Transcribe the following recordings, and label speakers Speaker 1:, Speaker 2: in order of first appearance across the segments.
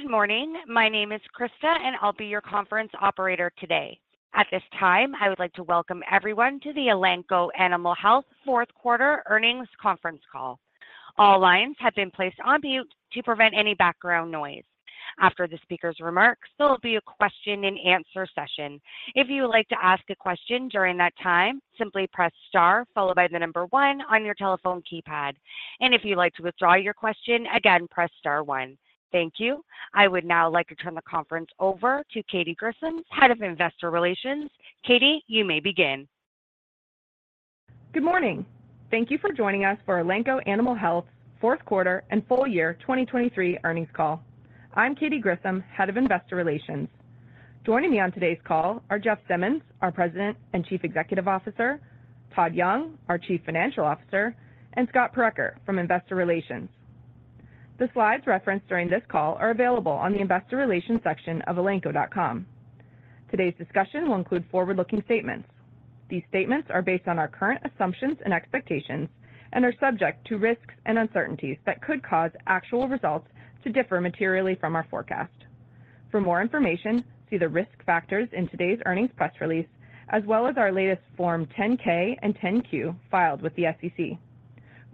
Speaker 1: Good morning. My name is Krista, and I'll be your conference operator today. At this time, I would like to welcome everyone to the Elanco Animal Health fourth quarter earnings conference call. All lines have been placed on mute to prevent any background noise. After the speaker's remarks, there will be a question-and-answer session. If you would like to ask a question during that time, simply press star followed by the number one on your telephone keypad. If you'd like to withdraw your question, again, press star one. Thank you. I would now like to turn the conference over to Katy Grissom, Head of Investor Relations. Katy, you may begin.
Speaker 2: Good morning. Thank you for joining us for Elanco Animal Health fourth quarter and full year 2023 earnings call. I'm Katy Grissom, Head of Investor Relations. Joining me on today's call are Jeff Simmons, our President and Chief Executive Officer, Todd Young, our Chief Financial Officer, and Scott Purucker from Investor Relations. The slides referenced during this call are available on the investor relations section of elanco.com. Today's discussion will include forward-looking statements. These statements are based on our current assumptions and expectations and are subject to risks and uncertainties that could cause actual results to differ materially from our forecast. For more information, see the risk factors in today's earnings press release, as well as our latest Form 10-K and 10-Q filed with the SEC.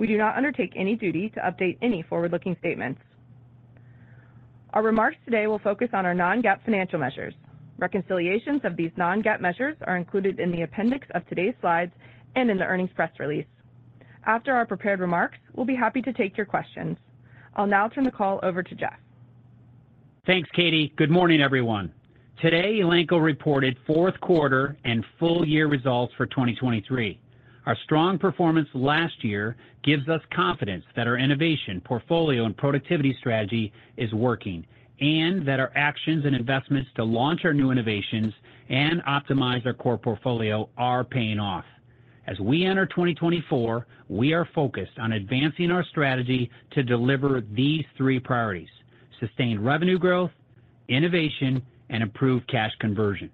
Speaker 2: We do not undertake any duty to update any forward-looking statements. Our remarks today will focus on our non-GAAP financial measures. Reconciliations of these non-GAAP measures are included in the appendix of today's slides and in the earnings press release. After our prepared remarks, we'll be happy to take your questions. I'll now turn the call over to Jeff.
Speaker 3: Thanks, Katy. Good morning, everyone. Today, Elanco reported fourth quarter and full-year results for 2023. Our strong performance last year gives us confidence that our innovation, portfolio, and productivity strategy is working, and that our actions and investments to launch our new innovations and optimize our core portfolio are paying off. As we enter 2024, we are focused on advancing our strategy to deliver these three priorities: sustained revenue growth, innovation, and improved cash conversion.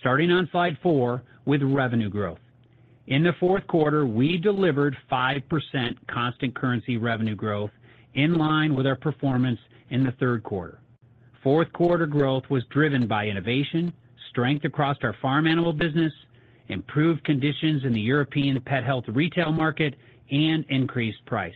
Speaker 3: Starting on slide 4 with revenue growth. In the fourth quarter, we delivered 5% constant currency revenue growth in line with our performance in the third quarter. Fourth quarter growth was driven by innovation, strength across our farm animal business, improved conditions in the European pet health retail market, and increased price.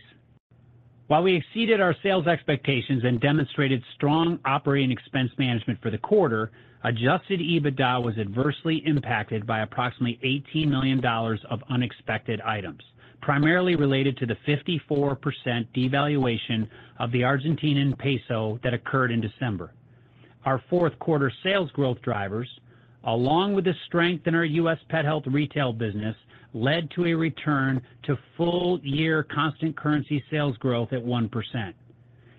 Speaker 3: While we exceeded our sales expectations and demonstrated strong operating expense management for the quarter, adjusted EBITDA was adversely impacted by approximately $18 million of unexpected items, primarily related to the 54% devaluation of the Argentine peso that occurred in December. Our fourth quarter sales growth drivers, along with the strength in our U.S. pet health retail business, led to a return to full-year constant currency sales growth at 1%.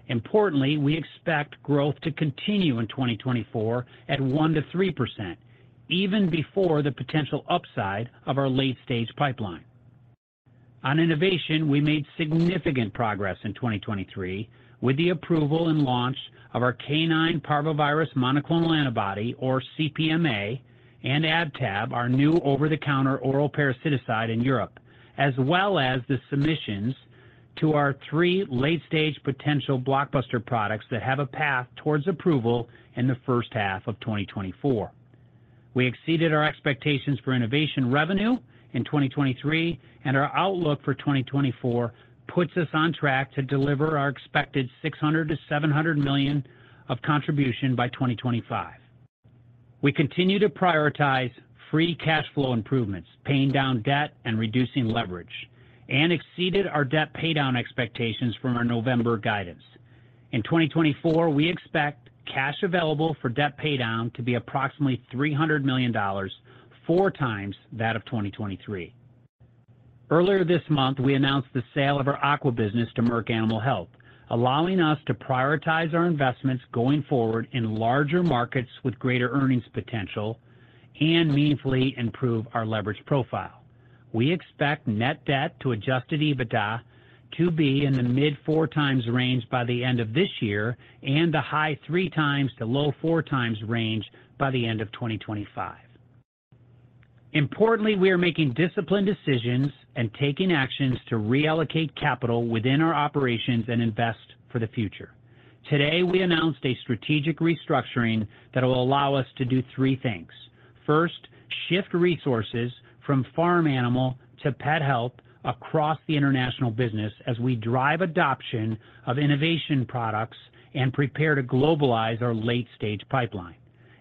Speaker 3: Importantly, we expect growth to continue in 2024 at 1%-3%, even before the potential upside of our late-stage pipeline. On innovation, we made significant progress in 2023 with the approval and launch of our Canine Parvovirus Monoclonal Antibody, or CPMA, and AdTab, our new over-the-counter oral parasiticide in Europe, as well as the submissions to our three late-stage potential blockbuster products that have a path towards approval in the first half of 2024. We exceeded our expectations for innovation revenue in 2023, and our outlook for 2024 puts us on track to deliver our expected $600 million-$700 million of contribution by 2025. We continue to prioritize free cash flow improvements, paying down debt, and reducing leverage, and exceeded our debt paydown expectations from our November guidance. In 2024, we expect cash available for debt paydown to be approximately $300 million, four times that of 2023. Earlier this month, we announced the sale of our Aqua business to Merck Animal Health, allowing us to prioritize our investments going forward in larger markets with greater earnings potential and meaningfully improve our leverage profile. We expect net debt to adjusted EBITDA to be in the mid-4x range by the end of this year and the high-3x to low-4x range by the end of 2025. Importantly, we are making disciplined decisions and taking actions to reallocate capital within our operations and invest for the future. Today, we announced a strategic restructuring that will allow us to do three things. First, shift resources from farm animal to pet health across the international business as we drive adoption of innovation products and prepare to globalize our late-stage pipeline.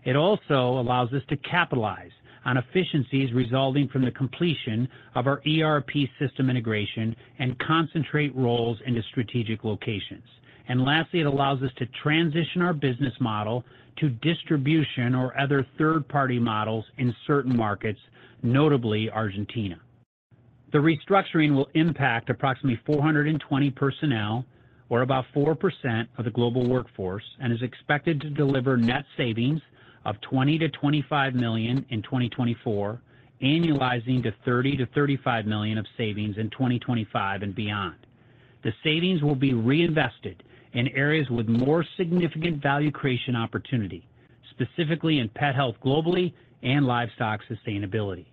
Speaker 3: It also allows us to capitalize on efficiencies resulting from the completion of our ERP system integration and concentrate roles into strategic locations. And lastly, it allows us to transition our business model to distribution or other third-party models in certain markets, notably Argentina. The restructuring will impact approximately 420 personnel, or about 4% of the global workforce, and is expected to deliver net savings of $20 million-$25 million in 2024, annualizing to $30 million-$35 million of savings in 2025 and beyond. The savings will be reinvested in areas with more significant value creation opportunity, specifically in pet health globally and livestock sustainability.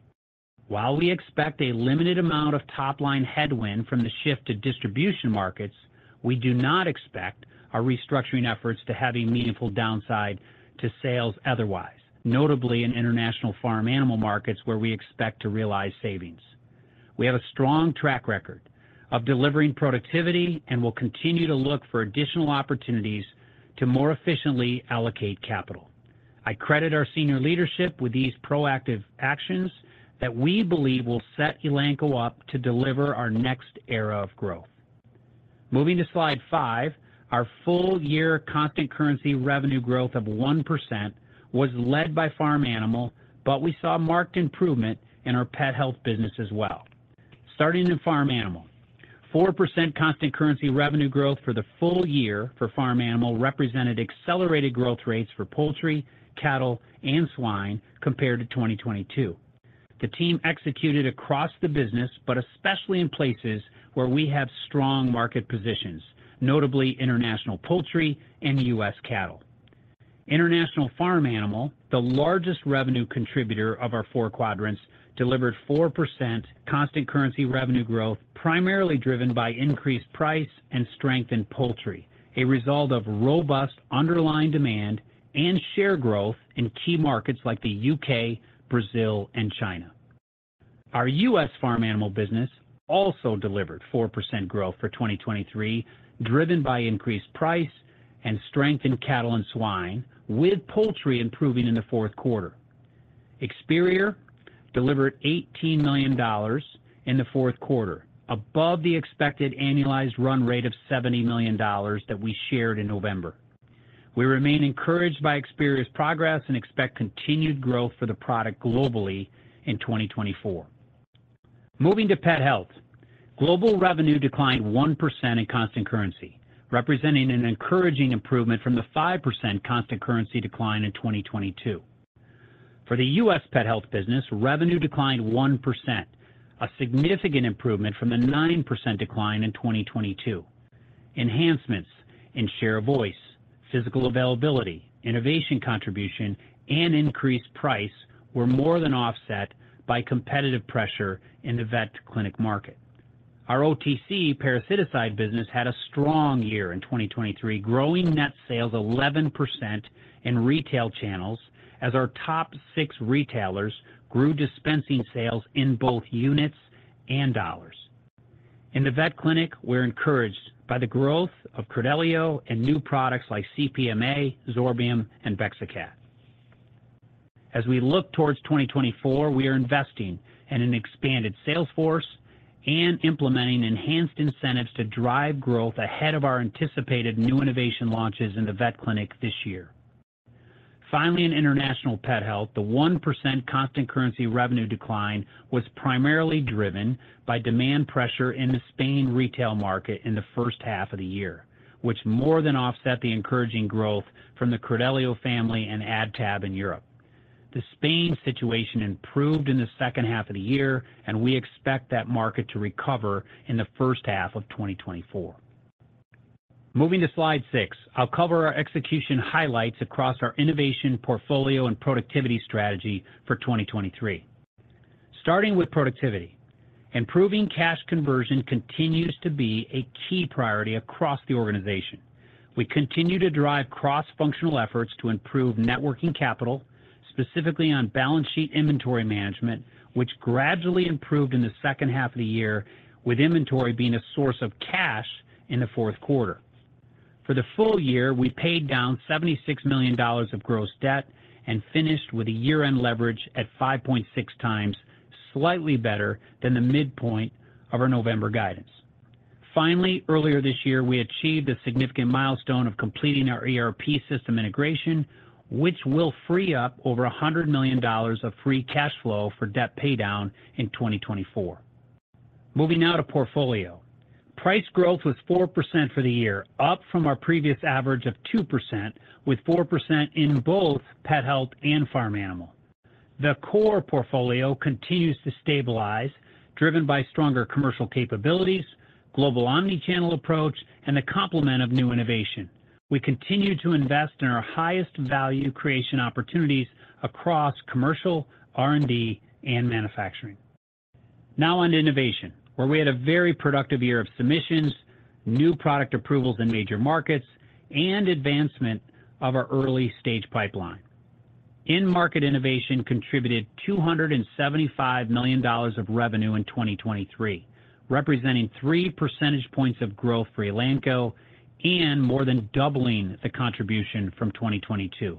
Speaker 3: While we expect a limited amount of top-line headwind from the shift to distribution markets, we do not expect our restructuring efforts to have a meaningful downside to sales otherwise, notably in international farm animal markets, where we expect to realize savings. We have a strong track record of delivering productivity, and we'll continue to look for additional opportunities to more efficiently allocate capital. I credit our senior leadership with these proactive actions that we believe will set Elanco up to deliver our next era of growth. Moving to Slide five, our full year constant currency revenue growth of 1% was led by farm animal, but we saw marked improvement in our pet health business as well. Starting in farm animal, 4% constant currency revenue growth for the full year for farm animal represented accelerated growth rates for poultry, cattle, and swine compared to 2022. The team executed across the business, but especially in places where we have strong market positions, notably international poultry and U.S. cattle. International farm animal, the largest revenue contributor of our four quadrants, delivered 4% constant currency revenue growth, primarily driven by increased price and strength in poultry, a result of robust underlying demand and share growth in key markets like the U.K., Brazil, and China. Our U.S. farm animal business also delivered 4% growth for 2023, driven by increased price and strength in cattle and swine, with poultry improving in the fourth quarter. Experior delivered $18 million in the fourth quarter, above the expected annualized run rate of $70 million that we shared in November. We remain encouraged by Experior's progress and expect continued growth for the product globally in 2024. Moving to pet health. Global revenue declined 1% in constant currency, representing an encouraging improvement from the 5% constant currency decline in 2022. For the U.S. pet health business, revenue declined 1%, a significant improvement from the 9% decline in 2022. Enhancements in share of voice, physical availability, innovation contribution, and increased price were more than offset by competitive pressure in the vet clinic market. Our OTC parasiticide business had a strong year in 2023, growing net sales 11% in retail channels as our top 6 retailers grew dispensing sales in both units and dollars. In the vet clinic, we're encouraged by the growth of Credelio and new products like CPMA, Zorbium, and Bexacat. As we look towards 2024, we are investing in an expanded sales force and implementing enhanced incentives to drive growth ahead of our anticipated new innovation launches in the vet clinic this year. Finally, in international pet health, the 1% constant currency revenue decline was primarily driven by demand pressure in the Spain retail market in the first half of the year, which more than offset the encouraging growth from the Credelio family and AdTab in Europe. The Spain situation improved in the second half of the year, and we expect that market to recover in the first half of 2024. Moving to Slide 6, I'll cover our execution highlights across our innovation, portfolio, and productivity strategy for 2023. Starting with productivity, improving cash conversion continues to be a key priority across the organization. We continue to drive cross-functional efforts to improve working capital, specifically on balance sheet inventory management, which gradually improved in the second half of the year, with inventory being a source of cash in the fourth quarter. For the full year, we paid down $76 million of gross debt and finished with a year-end leverage at 5.6 times, slightly better than the midpoint of our November guidance. Finally, earlier this year, we achieved a significant milestone of completing our ERP system integration, which will free up over $100 million of free cash flow for debt paydown in 2024. Moving now to portfolio. Price growth was 4% for the year, up from our previous average of 2%, with 4% in both pet health and farm animal. The core portfolio continues to stabilize, driven by stronger commercial capabilities, global omni-channel approach, and the complement of new innovation. We continue to invest in our highest value creation opportunities across commercial, R&D, and manufacturing. Now on to innovation, where we had a very productive year of submissions, new product approvals in major markets, and advancement of our early-stage pipeline. In-market innovation contributed $275 million of revenue in 2023, representing 3 percentage points of growth for Elanco and more than doubling the contribution from 2022.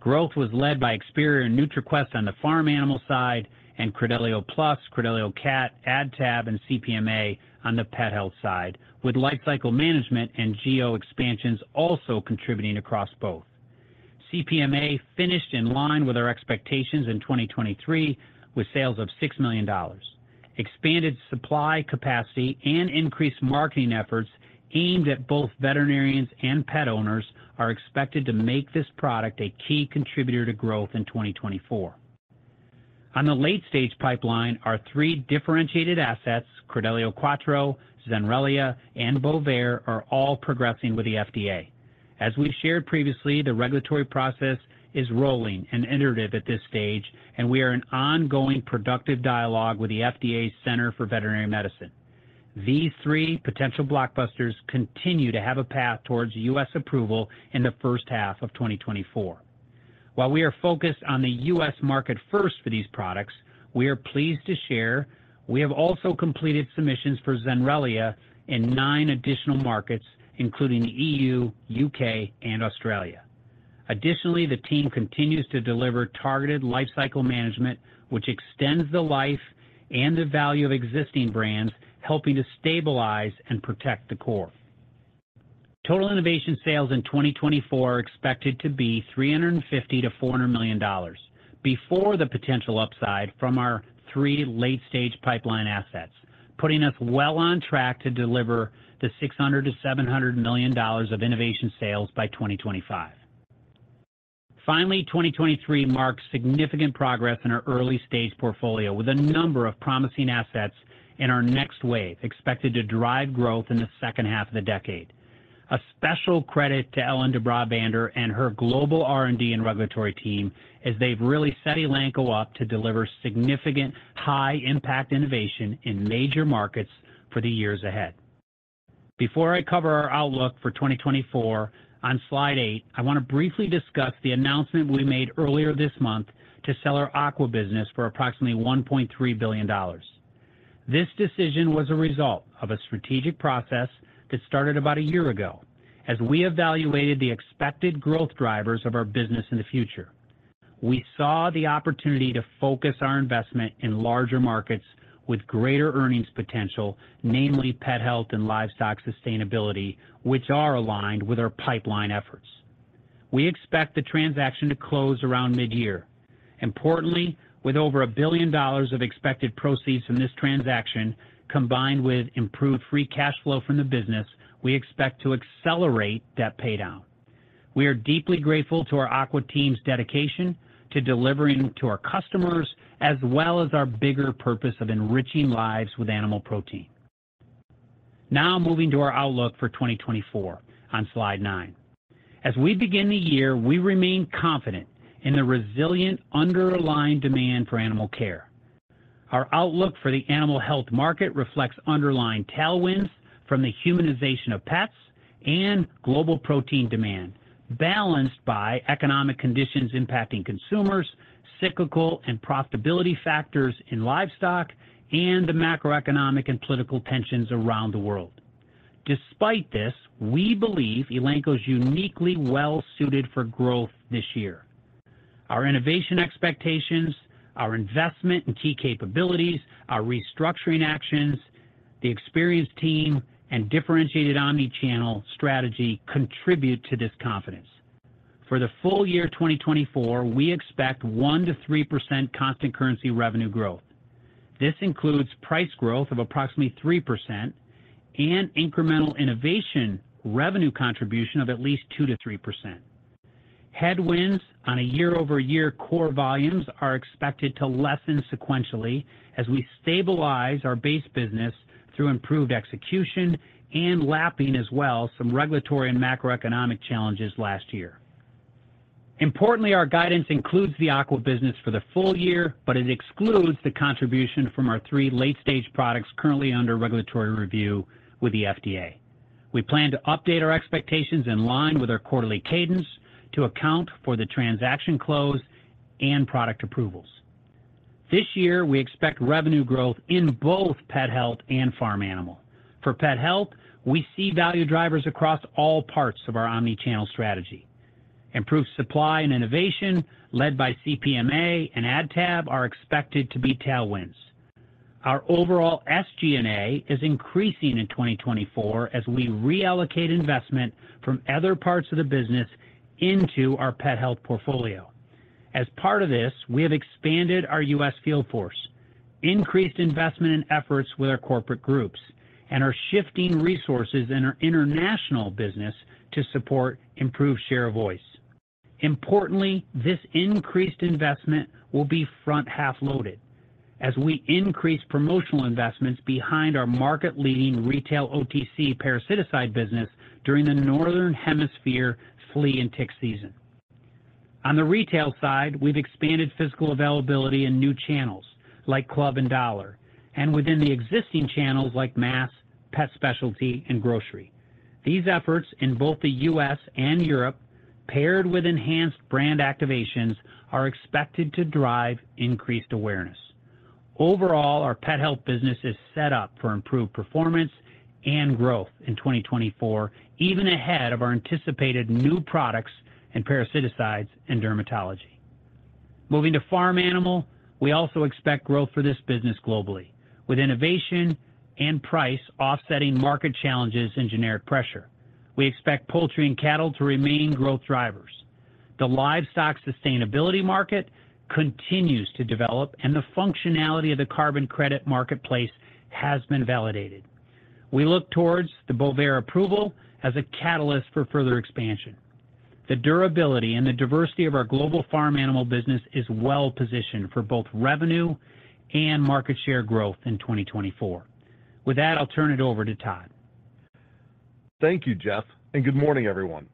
Speaker 3: Growth was led by Experior and NutriQuest on the farm animal side and Credelio Plus, Credelio Cat, AdTab, and CPMA on the pet health side, with lifecycle management and geo expansions also contributing across both. CPMA finished in line with our expectations in 2023, with sales of $6 million. Expanded supply capacity and increased marketing efforts aimed at both veterinarians and pet owners are expected to make this product a key contributor to growth in 2024. On the late-stage pipeline, our three differentiated assets, Credelio Quattro, Zenrelia, and Bovaer, are all progressing with the FDA. As we shared previously, the regulatory process is rolling and iterative at this stage, and we are in ongoing productive dialogue with the FDA's Center for Veterinary Medicine. These three potential blockbusters continue to have a path towards U.S. approval in the first half of 2024. While we are focused on the U.S. market first for these products, we are pleased to share, we have also completed submissions for Zenrelia in nine additional markets, including the EU, U.K., and Australia. Additionally, the team continues to deliver targeted lifecycle management, which extends the life and the value of existing brands, helping to stabilize and protect the core. Total innovation sales in 2024 are expected to be $350 million-$400 million, before the potential upside from our three late-stage pipeline assets, putting us well on track to deliver the $600 million-$700 million of innovation sales by 2025. Finally, 2023 marks significant progress in our early-stage portfolio, with a number of promising assets in our next wave, expected to drive growth in the second half of the decade. A special credit to Ellen de Brabander and her global R&D and regulatory team, as they've really set Elanco up to deliver significant high-impact innovation in major markets for the years ahead. Before I cover our outlook for 2024, on slide 8, I want to briefly discuss the announcement we made earlier this month to sell our aqua business for approximately $1.3 billion. This decision was a result of a strategic process that started about a year ago. As we evaluated the expected growth drivers of our business in the future, we saw the opportunity to focus our investment in larger markets with greater earnings potential, namely pet health and livestock sustainability, which are aligned with our pipeline efforts. We expect the transaction to close around midyear. Importantly, with over $1 billion of expected proceeds from this transaction, combined with improved free cash flow from the business, we expect to accelerate debt paydown. We are deeply grateful to our aqua team's dedication to delivering to our customers, as well as our bigger purpose of enriching lives with animal protein. Now moving to our outlook for 2024 on slide 9. As we begin the year, we remain confident in the resilient, underlying demand for animal care. Our outlook for the animal health market reflects underlying tailwinds from the humanization of pets and global protein demand, balanced by economic conditions impacting consumers, cyclical and profitability factors in livestock, and the macroeconomic and political tensions around the world. Despite this, we believe Elanco is uniquely well suited for growth this year. Our innovation expectations, our investment in key capabilities, our restructuring actions, the experienced team, and differentiated omni-channel strategy contribute to this confidence. For the full year 2024, we expect 1%-3% constant currency revenue growth. This includes price growth of approximately 3% and incremental innovation revenue contribution of at least 2%-3%. Headwinds on a year-over-year core volumes are expected to lessen sequentially as we stabilize our base business through improved execution and lapping as well some regulatory and macroeconomic challenges last year. Importantly, our guidance includes the Aqua business for the full year, but it excludes the contribution from our three late-stage products currently under regulatory review with the FDA. We plan to update our expectations in line with our quarterly cadence to account for the transaction close and product approvals. This year, we expect revenue growth in both pet health and farm animal. For pet health, we see value drivers across all parts of our omni-channel strategy. Improved supply and innovation, led by CPMA and AdTab, are expected to be tailwinds. Our overall SG&A is increasing in 2024 as we reallocate investment from other parts of the business into our pet health portfolio. As part of this, we have expanded our U.S. field force, increased investment and efforts with our corporate groups, and are shifting resources in our international business to support improved share of voice. Importantly, this increased investment will be front-half loaded as we increase promotional investments behind our market-leading retail OTC parasiticide business during the Northern Hemisphere flea and tick season. On the retail side, we've expanded physical availability in new channels like club and dollar, and within the existing channels like mass, pet specialty, and grocery. These efforts in both the U.S. and Europe, paired with enhanced brand activations, are expected to drive increased awareness. Overall, our pet health business is set up for improved performance and growth in 2024, even ahead of our anticipated new products in parasiticides and dermatology. Moving to farm animal, we also expect growth for this business globally, with innovation and price offsetting market challenges and generic pressure. We expect poultry and cattle to remain growth drivers. The livestock sustainability market continues to develop, and the functionality of the carbon credit marketplace has been validated. We look towards the Bovaer approval as a catalyst for further expansion. The durability and the diversity of our global farm animal business is well positioned for both revenue and market share growth in 2024. With that, I'll turn it over to Todd.
Speaker 4: Thank you, Jeff, and good morning, everyone.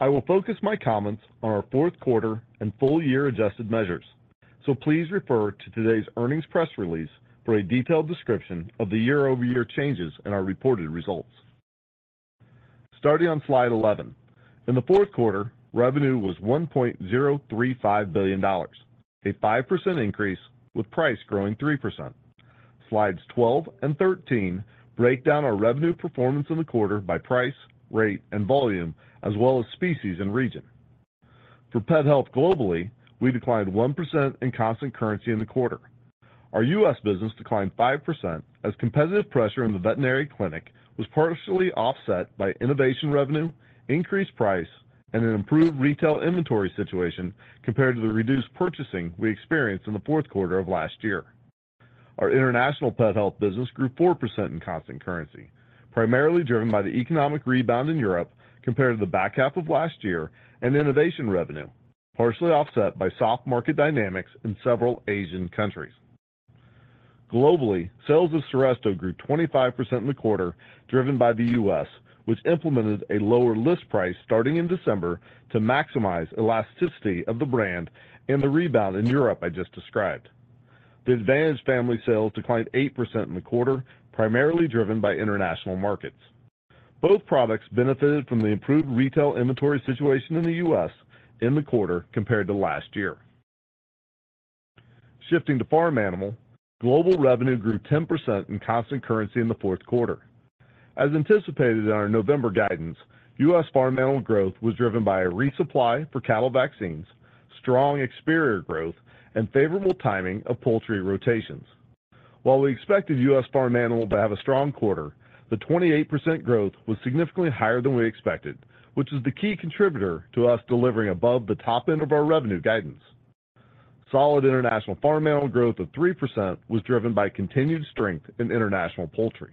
Speaker 4: I will focus my comments on our fourth quarter and full year adjusted measures. So please refer to today's earnings press release for a detailed description of the year-over-year changes in our reported results. Starting on slide 11. In the fourth quarter, revenue was $1.035 billion, a 5% increase, with price growing 3%. Slides 12 and 13 break down our revenue performance in the quarter by price, rate, and volume, as well as species and region. For pet health globally, we declined 1% in constant currency in the quarter. Our U.S. business declined 5% as competitive pressure in the veterinary clinic was partially offset by innovation revenue, increased price, and an improved retail inventory situation compared to the reduced purchasing we experienced in the fourth quarter of last year. Our international pet health business grew 4% in constant currency, primarily driven by the economic rebound in Europe compared to the back half of last year and innovation revenue, partially offset by soft market dynamics in several Asian countries. Globally, sales of Seresto grew 25% in the quarter, driven by the U.S., which implemented a lower list price starting in December to maximize elasticity of the brand and the rebound in Europe, I just described. The Advantage family sales declined 8% in the quarter, primarily driven by international markets. Both products benefited from the improved retail inventory situation in the U.S. in the quarter compared to last year. Shifting to farm animal, global revenue grew 10% in constant currency in the fourth quarter. As anticipated in our November guidance, U.S. farm animal growth was driven by a resupply for cattle vaccines, strong Experior growth, and favorable timing of poultry rotations. While we expected U.S. farm animal to have a strong quarter, the 28% growth was significantly higher than we expected, which is the key contributor to us delivering above the top end of our revenue guidance. Solid international farm animal growth of 3% was driven by continued strength in international poultry.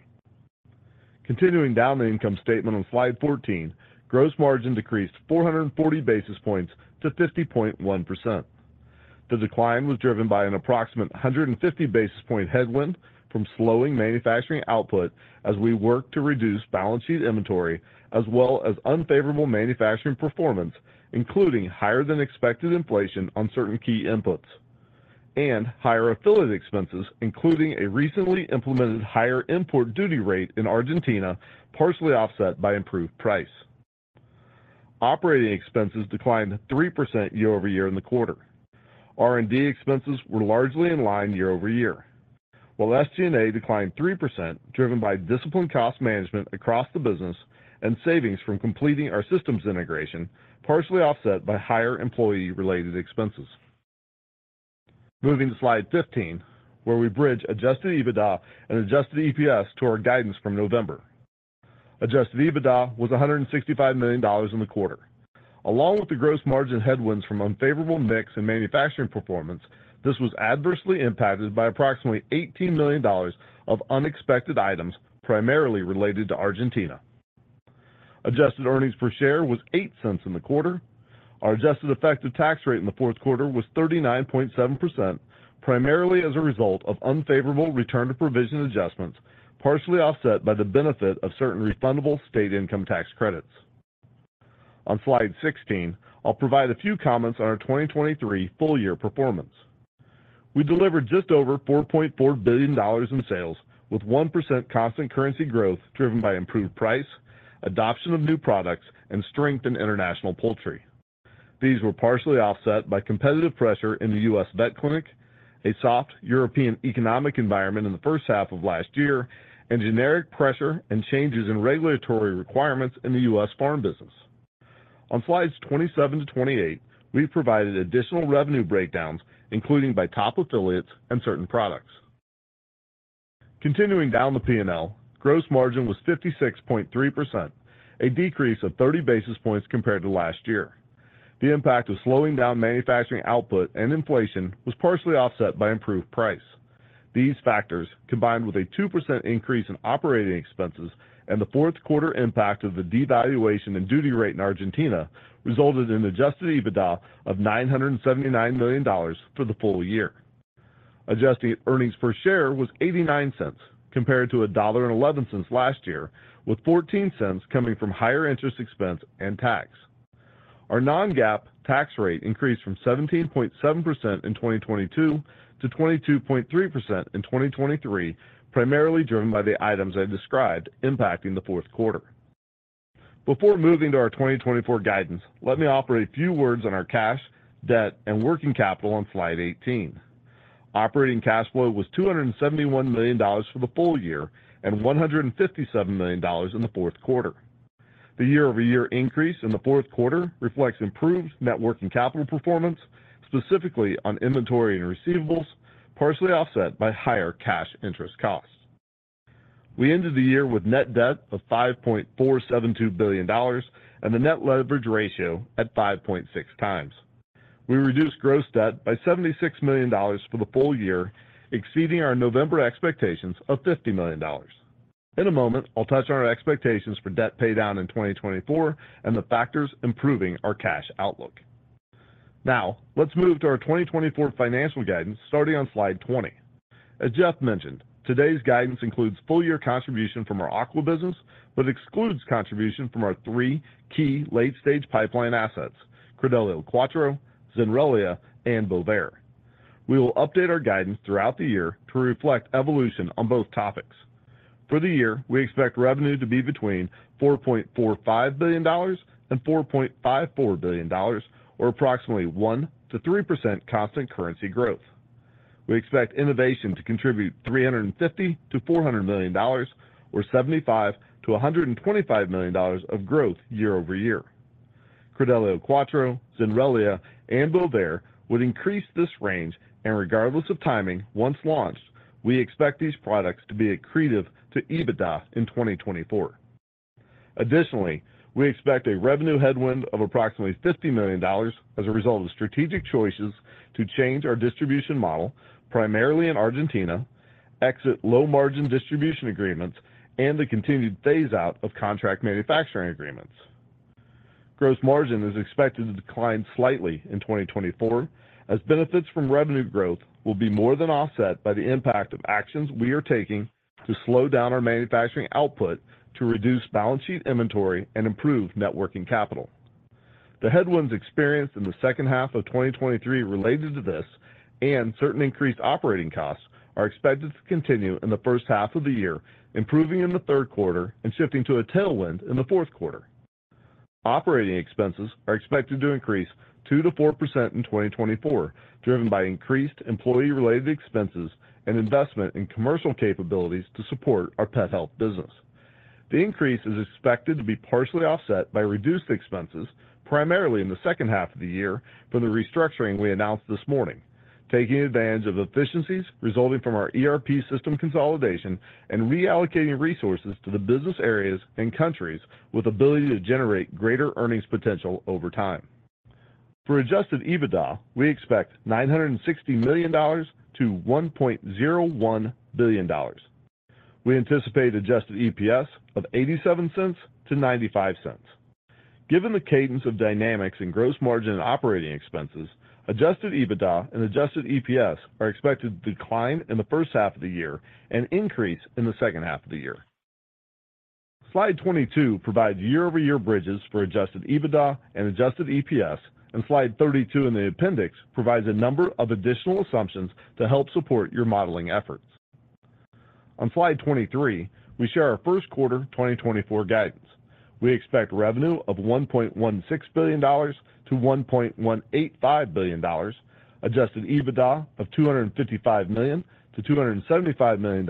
Speaker 4: Continuing down the income statement on slide 14, gross margin decreased 440 basis points to 50.1%. The decline was driven by an approximate 150 basis points headwind from slowing manufacturing output as we work to reduce balance sheet inventory, as well as unfavorable manufacturing performance, including higher than expected inflation on certain key inputs, and higher affiliate expenses, including a recently implemented higher import duty rate in Argentina, partially offset by improved price. Operating expenses declined 3% year-over-year in the quarter. R&D expenses were largely in line year-over-year, while SG&A declined 3%, driven by disciplined cost management across the business and savings from completing our systems integration, partially offset by higher employee-related expenses. Moving to slide 15, where we bridge adjusted EBITDA and adjusted EPS to our guidance from November. Adjusted EBITDA was $165 million in the quarter. Along with the gross margin headwinds from unfavorable mix and manufacturing performance, this was adversely impacted by approximately $18 million of unexpected items, primarily related to Argentina. Adjusted earnings per share was $0.08 in the quarter. Our adjusted effective tax rate in the fourth quarter was 39.7%, primarily as a result of unfavorable return to provision adjustments, partially offset by the benefit of certain refundable state income tax credits. On slide 16, I'll provide a few comments on our 2023 full year performance. We delivered just over $4.4 billion in sales, with 1% constant currency growth driven by improved price, adoption of new products, and strength in international poultry. These were partially offset by competitive pressure in the U.S. vet clinic, a soft European economic environment in the first half of last year, and generic pressure and changes in regulatory requirements in the U.S. farm business. On slides 27-28, we've provided additional revenue breakdowns, including by top affiliates and certain products. Continuing down the P&L, gross margin was 56.3%, a decrease of 30 basis points compared to last year. The impact of slowing down manufacturing output and inflation was partially offset by improved price. These factors, combined with a 2% increase in operating expenses and the fourth quarter impact of the devaluation and duty rate in Argentina, resulted in adjusted EBITDA of $979 million for the full year. Adjusted earnings per share was $0.89 compared to $1.11 last year, with $0.14 coming from higher interest expense and tax. Our non-GAAP tax rate increased from 17.7% in 2022 to 22.3% in 2023, primarily driven by the items I described impacting the fourth quarter. Before moving to our 2024 guidance, let me offer a few words on our cash, debt, and working capital on slide 18. Operating cash flow was $271 million for the full year and $157 million in the fourth quarter. The year-over-year increase in the fourth quarter reflects improved working capital performance, specifically on inventory and receivables, partially offset by higher cash interest costs. We ended the year with net debt of $5.472 billion and the net leverage ratio at 5.6 times. We reduced gross debt by $76 million for the full year, exceeding our November expectations of $50 million. In a moment, I'll touch on our expectations for debt paydown in 2024 and the factors improving our cash outlook. Now, let's move to our 2024 financial guidance, starting on slide 20. As Jeff mentioned, today's guidance includes full year contribution from our Aqua business, but excludes contribution from our three key late-stage pipeline assets, Credelio Quattro, Zenrelia, and Bovaer. We will update our guidance throughout the year to reflect evolution on both topics. For the year, we expect revenue to be between $4.45 billion and $4.54 billion, or approximately 1%-3% constant currency growth. We expect innovation to contribute $350 million-$400 million, or $75 million-$125 million of growth year-over-year. Credelio Quattro, Zenrelia, and Bovaer would increase this range, and regardless of timing, once launched, we expect these products to be accretive to EBITDA in 2024. Additionally, we expect a revenue headwind of approximately $50 million as a result of strategic choices to change our distribution model, primarily in Argentina, exit low-margin distribution agreements, and the continued phaseout of contract manufacturing agreements. Gross margin is expected to decline slightly in 2024, as benefits from revenue growth will be more than offset by the impact of actions we are taking to slow down our manufacturing output to reduce balance sheet inventory and improve net working capital. The headwinds experienced in the second half of 2023 related to this and certain increased operating costs are expected to continue in the first half of the year, improving in the third quarter and shifting to a tailwind in the fourth quarter. Operating expenses are expected to increase 2%-4% in 2024, driven by increased employee-related expenses and investment in commercial capabilities to support our pet health business. The increase is expected to be partially offset by reduced expenses, primarily in the second half of the year, from the restructuring we announced this morning, taking advantage of efficiencies resulting from our ERP system consolidation and reallocating resources to the business areas and countries with ability to generate greater earnings potential over time. For Adjusted EBITDA, we expect $960 million-$1.01 billion. We anticipate Adjusted EPS of $0.87-$0.95. Given the cadence of dynamics in gross margin and operating expenses, Adjusted EBITDA and Adjusted EPS are expected to decline in the first half of the year and increase in the second half of the year. Slide 22 provides year-over-year bridges for Adjusted EBITDA and Adjusted EPS, and slide 32 in the appendix provides a number of additional assumptions to help support your modeling efforts. On slide 23, we share our first quarter 2024 guidance. We expect revenue of $1.16 billion-$1.185 billion, adjusted EBITDA of $255 million-$275 million,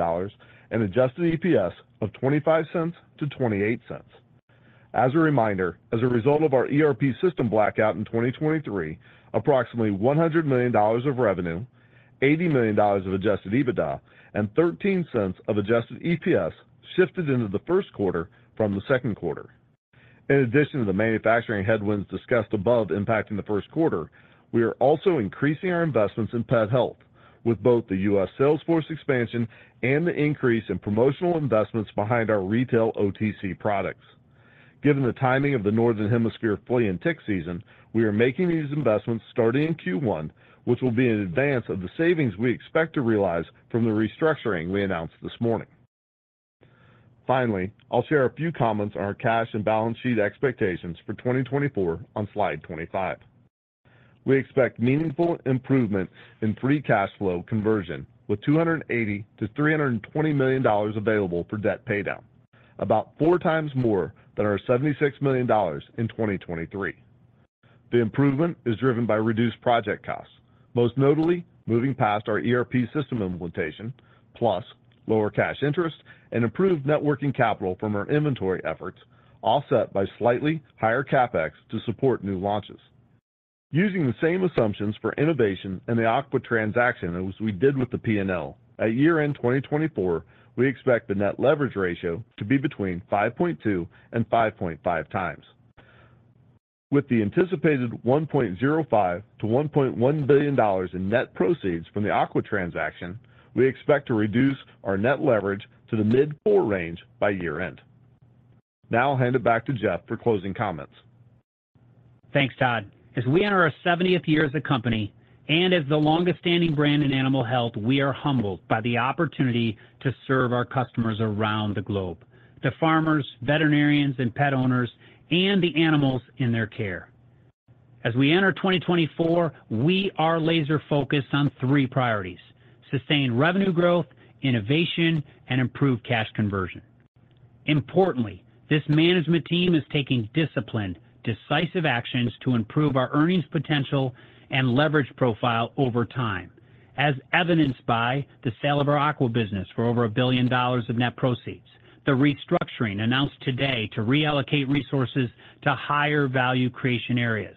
Speaker 4: and adjusted EPS of $0.25-$0.28. As a reminder, as a result of our ERP system blackout in 2023, approximately $100 million of revenue, $80 million of adjusted EBITDA, and $0.13 of adjusted EPS shifted into the first quarter from the second quarter. In addition to the manufacturing headwinds discussed above impacting the first quarter, we are also increasing our investments in pet health, with both the U.S. sales force expansion and the increase in promotional investments behind our retail OTC products. Given the timing of the Northern Hemisphere flea and tick season, we are making these investments starting in Q1, which will be in advance of the savings we expect to realize from the restructuring we announced this morning. Finally, I'll share a few comments on our cash and balance sheet expectations for 2024 on slide 25. We expect meaningful improvement in free cash flow conversion, with $280 million-$320 million available for debt paydown, about four times more than our $76 million in 2023. The improvement is driven by reduced project costs, most notably moving past our ERP system implementation, plus lower cash interest and improved working capital from our inventory efforts, offset by slightly higher CapEx to support new launches. Using the same assumptions for innovation and the aqua transaction as we did with the PNL, at year-end 2024, we expect the net leverage ratio to be between 5.2 and 5.5 times. With the anticipated $1.05-$1.1 billion in net proceeds from the aqua transaction, we expect to reduce our net leverage to the mid-four range by year-end. Now I'll hand it back to Jeff for closing comments.
Speaker 3: Thanks, Todd. As we enter our seventieth year as a company and as the longest standing brand in animal health, we are humbled by the opportunity to serve our customers around the globe, the farmers, veterinarians, and pet owners, and the animals in their care. As we enter 2024, we are laser focused on three priorities: sustained revenue growth, innovation, and improved cash conversion. Importantly, this management team is taking disciplined, decisive actions to improve our earnings potential and leverage profile over time, as evidenced by the sale of our Aqua business for over $1 billion of net proceeds, the restructuring announced today to reallocate resources to higher value creation areas....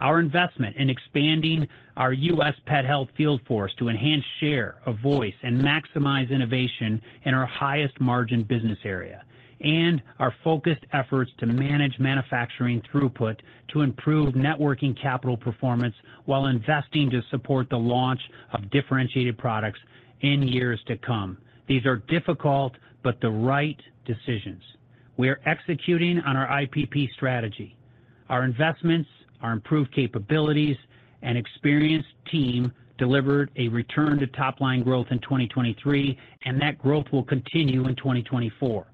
Speaker 3: our investment in expanding our U.S. pet health field force to enhance share of voice and maximize innovation in our highest margin business area, and our focused efforts to manage manufacturing throughput to improve working capital performance while investing to support the launch of differentiated products in years to come. These are difficult, but the right decisions. We are executing on our IPP strategy. Our investments, our improved capabilities, and experienced team delivered a return to top-line growth in 2023, and that growth will continue in 2024.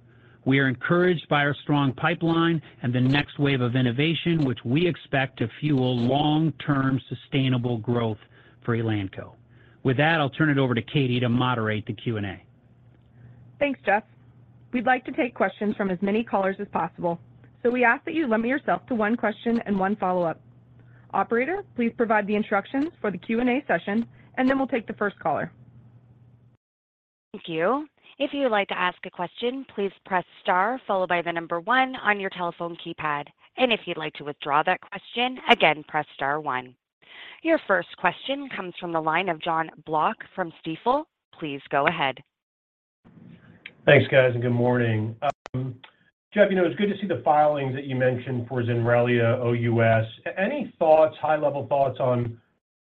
Speaker 3: We are encouraged by our strong pipeline and the next wave of innovation, which we expect to fuel long-term sustainable growth for Elanco. With that, I'll turn it over to Katy to moderate the Q&A.
Speaker 2: Thanks, Jeff. We'd like to take questions from as many callers as possible, so we ask that you limit yourself to one question and one follow-up. Operator, please provide the instructions for the Q&A session, and then we'll take the first caller.
Speaker 1: Thank you. If you'd like to ask a question, please press star followed by the number one on your telephone keypad. And if you'd like to withdraw that question, again, press star one. Your first question comes from the line of John Block from Stifel. Please go ahead.
Speaker 5: Thanks, guys, and good morning. Jeff, you know, it's good to see the filings that you mentioned for Zenrelia OUS. Any thoughts, high-level thoughts on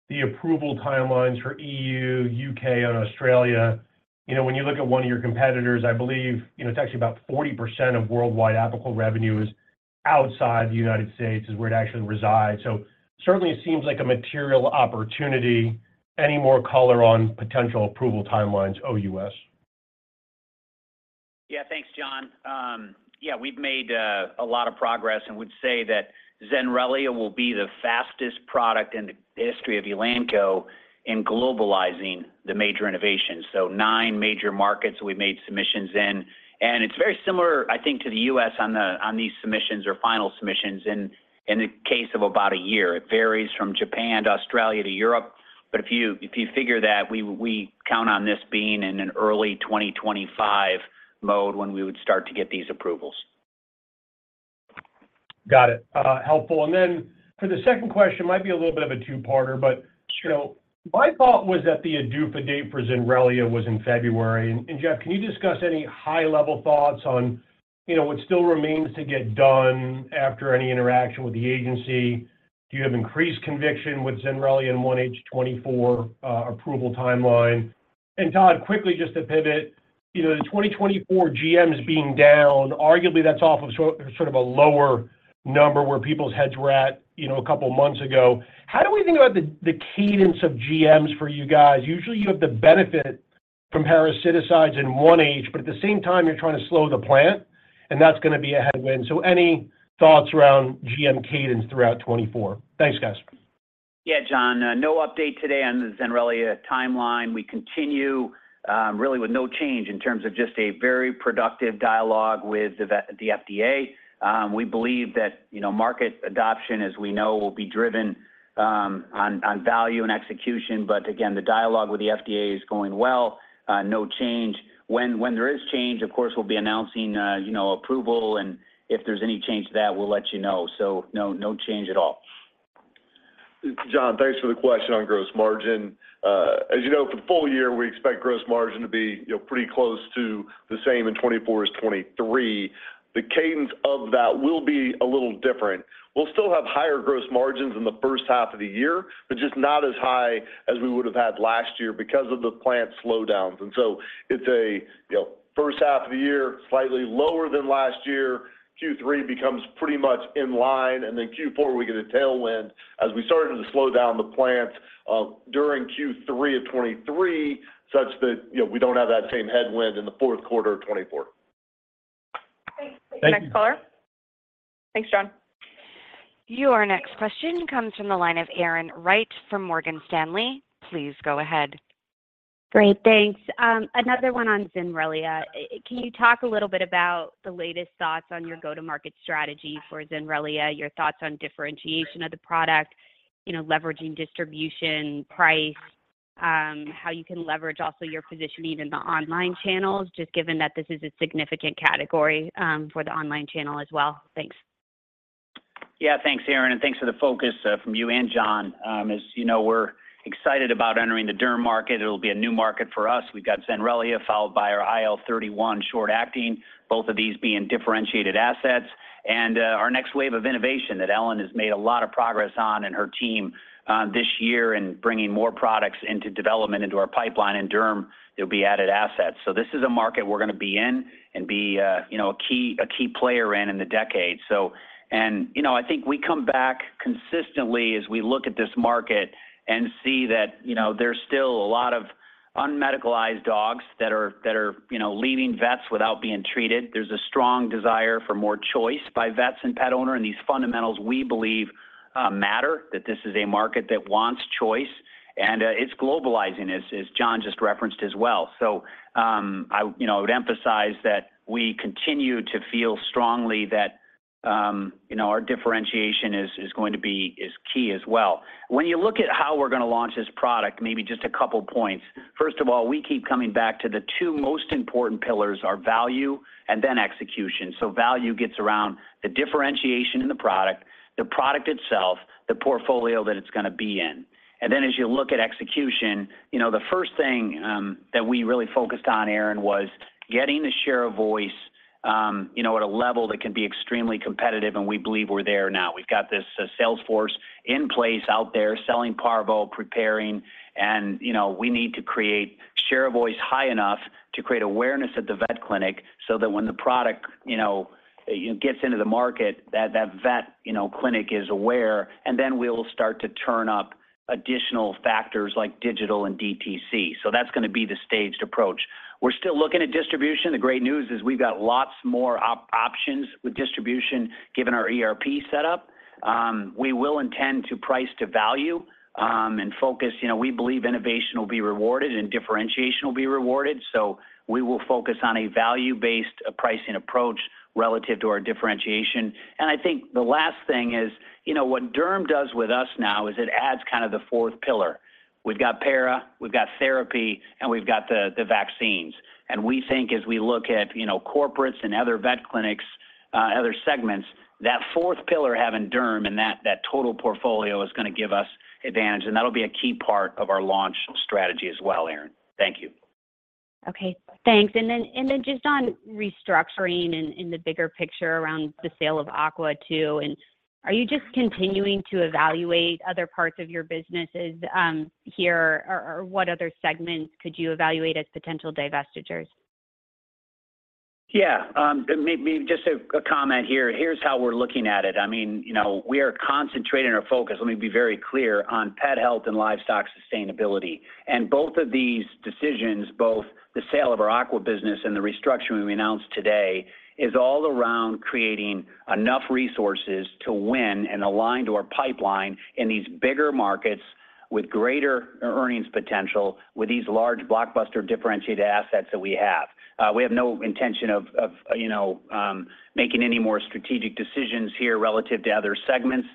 Speaker 5: the approval timelines for EU, UK, and Australia? You know, when you look at one of your competitors, I believe, you know, it's actually about 40% of worldwide applicable revenue is outside the United States, is where it actually resides. So certainly, it seems like a material opportunity. Any more color on potential approval timelines, OUS?
Speaker 3: Yeah, thanks, John. Yeah, we've made a lot of progress and would say that Zenrelia will be the fastest product in the history of Elanco in globalizing the major innovations. So nine major markets we made submissions in, and it's very similar, I think, to the U.S. on these submissions or final submissions in the case of about a year. It varies from Japan to Australia to Europe. But if you figure that, we count on this being in an early 2025 mode when we would start to get these approvals.
Speaker 5: Got it. Helpful. And then for the second question, might be a little bit of a two-parter, but-
Speaker 3: Sure.
Speaker 5: You know, my thought was that the ADUFA date for Zenrelia was in February. And Jeff, can you discuss any high-level thoughts on, you know, what still remains to get done after any interaction with the agency? Do you have increased conviction with Zenrelia in 1H 2024 approval timeline? And Todd, quickly, just to pivot, you know, the 2024 GMs being down, arguably, that's off of sort of a lower number where people's heads were at, you know, a couple of months ago. How do we think about the cadence of GMs for you guys? Usually, you have the benefit from parasiticides in 1Q, but at the same time, you're trying to slow the plant, and that's gonna be a headwind. So any thoughts around GM cadence throughout 2024? Thanks, guys.
Speaker 3: Yeah, John, no update today on the Zenrelia timeline. We continue, really with no change in terms of just a very productive dialogue with the FDA. We believe that, you know, market adoption, as we know, will be driven, on, on value and execution. But again, the dialogue with the FDA is going well, no change. When, when there is change, of course, we'll be announcing, you know, approval, and if there's any change to that, we'll let you know. So no, no change at all.
Speaker 4: John, thanks for the question on gross margin. As you know, for the full year, we expect gross margin to be, you know, pretty close to the same in 2024 as 2023. The cadence of that will be a little different. We'll still have higher gross margins in the first half of the year, but just not as high as we would have had last year because of the plant slowdowns. And so it's a, you know, first half of the year, slightly lower than last year. Q3 becomes pretty much in line, and then Q4, we get a tailwind as we started to slow down the plants during Q3 of 2023, such that, you know, we don't have that same headwind in the fourth quarter of 2024.
Speaker 5: Thank you.
Speaker 2: Next caller. Thanks, John.
Speaker 1: Your next question comes from the line of Erin Wright from Morgan Stanley. Please go ahead.
Speaker 6: Great, thanks. Another one on Zenrelia. Can you talk a little bit about the latest thoughts on your go-to-market strategy for Zenrelia, your thoughts on differentiation of the product, you know, leveraging distribution, price, how you can leverage also your position even in the online channels, just given that this is a significant category, for the online channel as well? Thanks.
Speaker 3: Yeah, thanks, Erin, and thanks for the focus from you and John. As you know, we're excited about entering the derm market. It'll be a new market for us. We've got Zenrelia, followed by our IL-31 short-acting, both of these being differentiated assets, and our next wave of innovation that Ellen has made a lot of progress on and her team this year in bringing more products into development into our pipeline. In derm, there'll be added assets. So this is a market we're gonna be in and be, you know, a key, a key player in, in the decade. So and, you know, I think we come back consistently as we look at this market and see that, you know, there's still a lot of unmedicalized dogs that are, you know, leaving vets without being treated. There's a strong desire for more choice by vets and pet owners, and these fundamentals, we believe, matter, that this is a market that wants choice, and it's globalizing, as John just referenced as well. So, I, you know, would emphasize that we continue to feel strongly that you know, our differentiation is going to be key as well. When you look at how we're going to launch this product, maybe just a couple points. First of all, we keep coming back to the two most important pillars are value and then execution. So value gets around the differentiation in the product, the product itself, the portfolio that it's going to be in. Then as you look at execution, you know, the first thing that we really focused on, Erin, was getting the share of voice, you know, at a level that can be extremely competitive, and we believe we're there now. We've got this sales force in place out there, selling parvo, preparing, and, you know, we need to create share of voice high enough to create awareness at the vet clinic, so that when the product, you know, gets into the market, that, that vet, you know, clinic is aware, and then we'll start to turn up additional factors like digital and DTC. So that's going to be the staged approach. We're still looking at distribution. The great news is we've got lots more options with distribution, given our ERP setup. We will intend to price to value, and focus. You know, we believe innovation will be rewarded and differentiation will be rewarded, so we will focus on a value-based pricing approach relative to our differentiation. And I think the last thing is, you know, what derm does with us now is it adds kind of the fourth pillar. We've got para, we've got therapy, and we've got the, the vaccines. And we think as we look at, you know, corporates and other vet clinics, other segments, that fourth pillar, having derm and that, that total portfolio is going to give us advantage, and that'll be a key part of our launch strategy as well, Erin. Thank you.
Speaker 6: Okay, thanks. And then just on restructuring and the bigger picture around the sale of Aqua, too, and are you just continuing to evaluate other parts of your businesses, here, or what other segments could you evaluate as potential divestitures?
Speaker 3: Yeah, maybe just a comment here. Here's how we're looking at it. I mean, you know, we are concentrating our focus, let me be very clear, on pet health and livestock sustainability. And both of these decisions, both the sale of our Aqua business and the restructuring we announced today, is all around creating enough resources to win and align to our pipeline in these bigger markets with greater earnings potential, with these large, blockbuster, differentiated assets that we have. We have no intention of, you know, making any more strategic decisions here relative to other segments.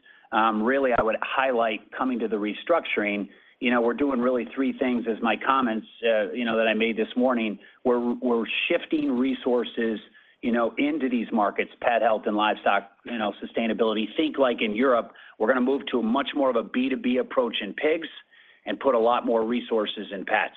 Speaker 3: Really, I would highlight coming to the restructuring, you know, we're doing really three things as my comments, you know, that I made this morning. We're shifting resources, you know, into these markets, pet health and livestock, you know, sustainability. Think like in Europe, we're going to move to a much more of a B2B approach in pigs and put a lot more resources in pets.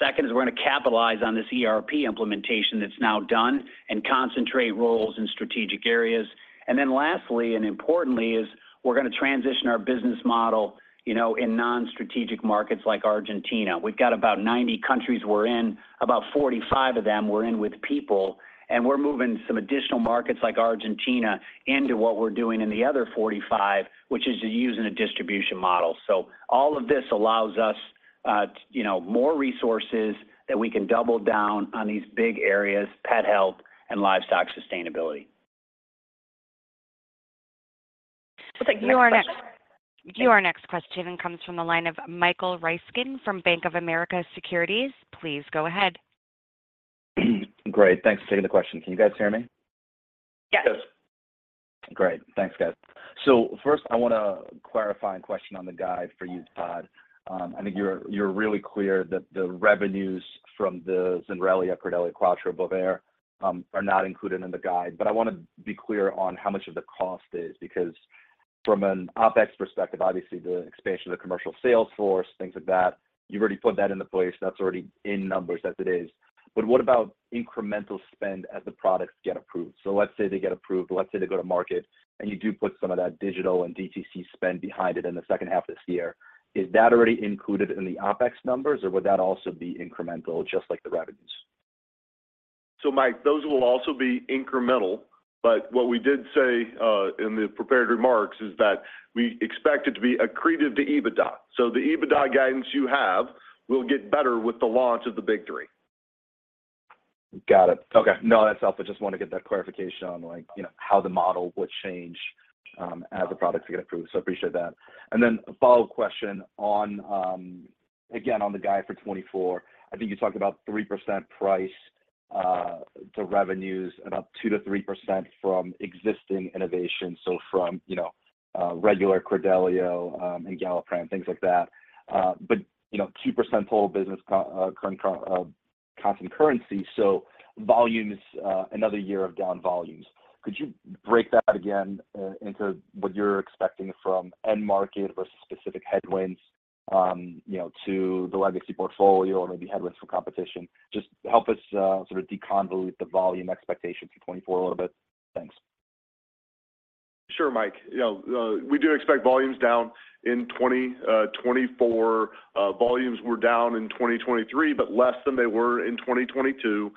Speaker 3: Second is, we're going to capitalize on this ERP implementation that's now done and concentrate roles in strategic areas. And then lastly, and importantly, is we're going to transition our business model, you know, in non-strategic markets like Argentina. We've got about 90 countries we're in, about 45 of them we're in with people, and we're moving some additional markets like Argentina into what we're doing in the other 45, which is using a distribution model. So all of this allows us, you know, more resources that we can double down on these big areas: pet health and livestock sustainability.
Speaker 2: We'll take the next question.
Speaker 1: Your next question comes from the line of Michael Ryskin from Bank of America Securities. Please go ahead.
Speaker 7: Great. Thanks for taking the question. Can you guys hear me? Yes. Great. Thanks, guys. So first, I want to clarify a question on the guide for you, Todd. I think you're really clear that the revenues from the Zenrelia, Credelio Quattro, Bovaer are not included in the guide. But I want to be clear on how much of the cost is, because from an OpEx perspective, obviously, the expansion of the commercial sales force, things like that, you've already put that into place. That's already in numbers as it is. But what about incremental spend as the products get approved? So let's say they get approved, let's say they go to market, and you do put some of that digital and DTC spend behind it in the second half of this year. Is that already included in the OpEx numbers, or would that also be incremental, just like the revenues?
Speaker 4: So Mike, those will also be incremental, but what we did say in the prepared remarks is that we expect it to be accretive to EBITDA. So the EBITDA guidance you have will get better with the launch of the big three.
Speaker 7: Got it. Okay. No, that's all. I just want to get that clarification on, like, you know, how the model would change as the products get approved. So I appreciate that. And then a follow-up question on, again, on the guide for 2024. I think you talked about 3% price to revenues and up 2%-3% from existing innovation. So from, you know, regular Credelio and Galliprant, things like that. But, you know, 2% total business constant currency, so volumes, another year of down volumes. Could you break that again into what you're expecting from end market versus specific headwinds, you know, to the legacy portfolio or maybe headwinds from competition? Just help us sort of deconvolute the volume expectation for 2024 a little bit. Thanks.
Speaker 4: Sure, Mike. You know, we do expect volumes down in 2024. Volumes were down in 2023, but less than they were in 2022.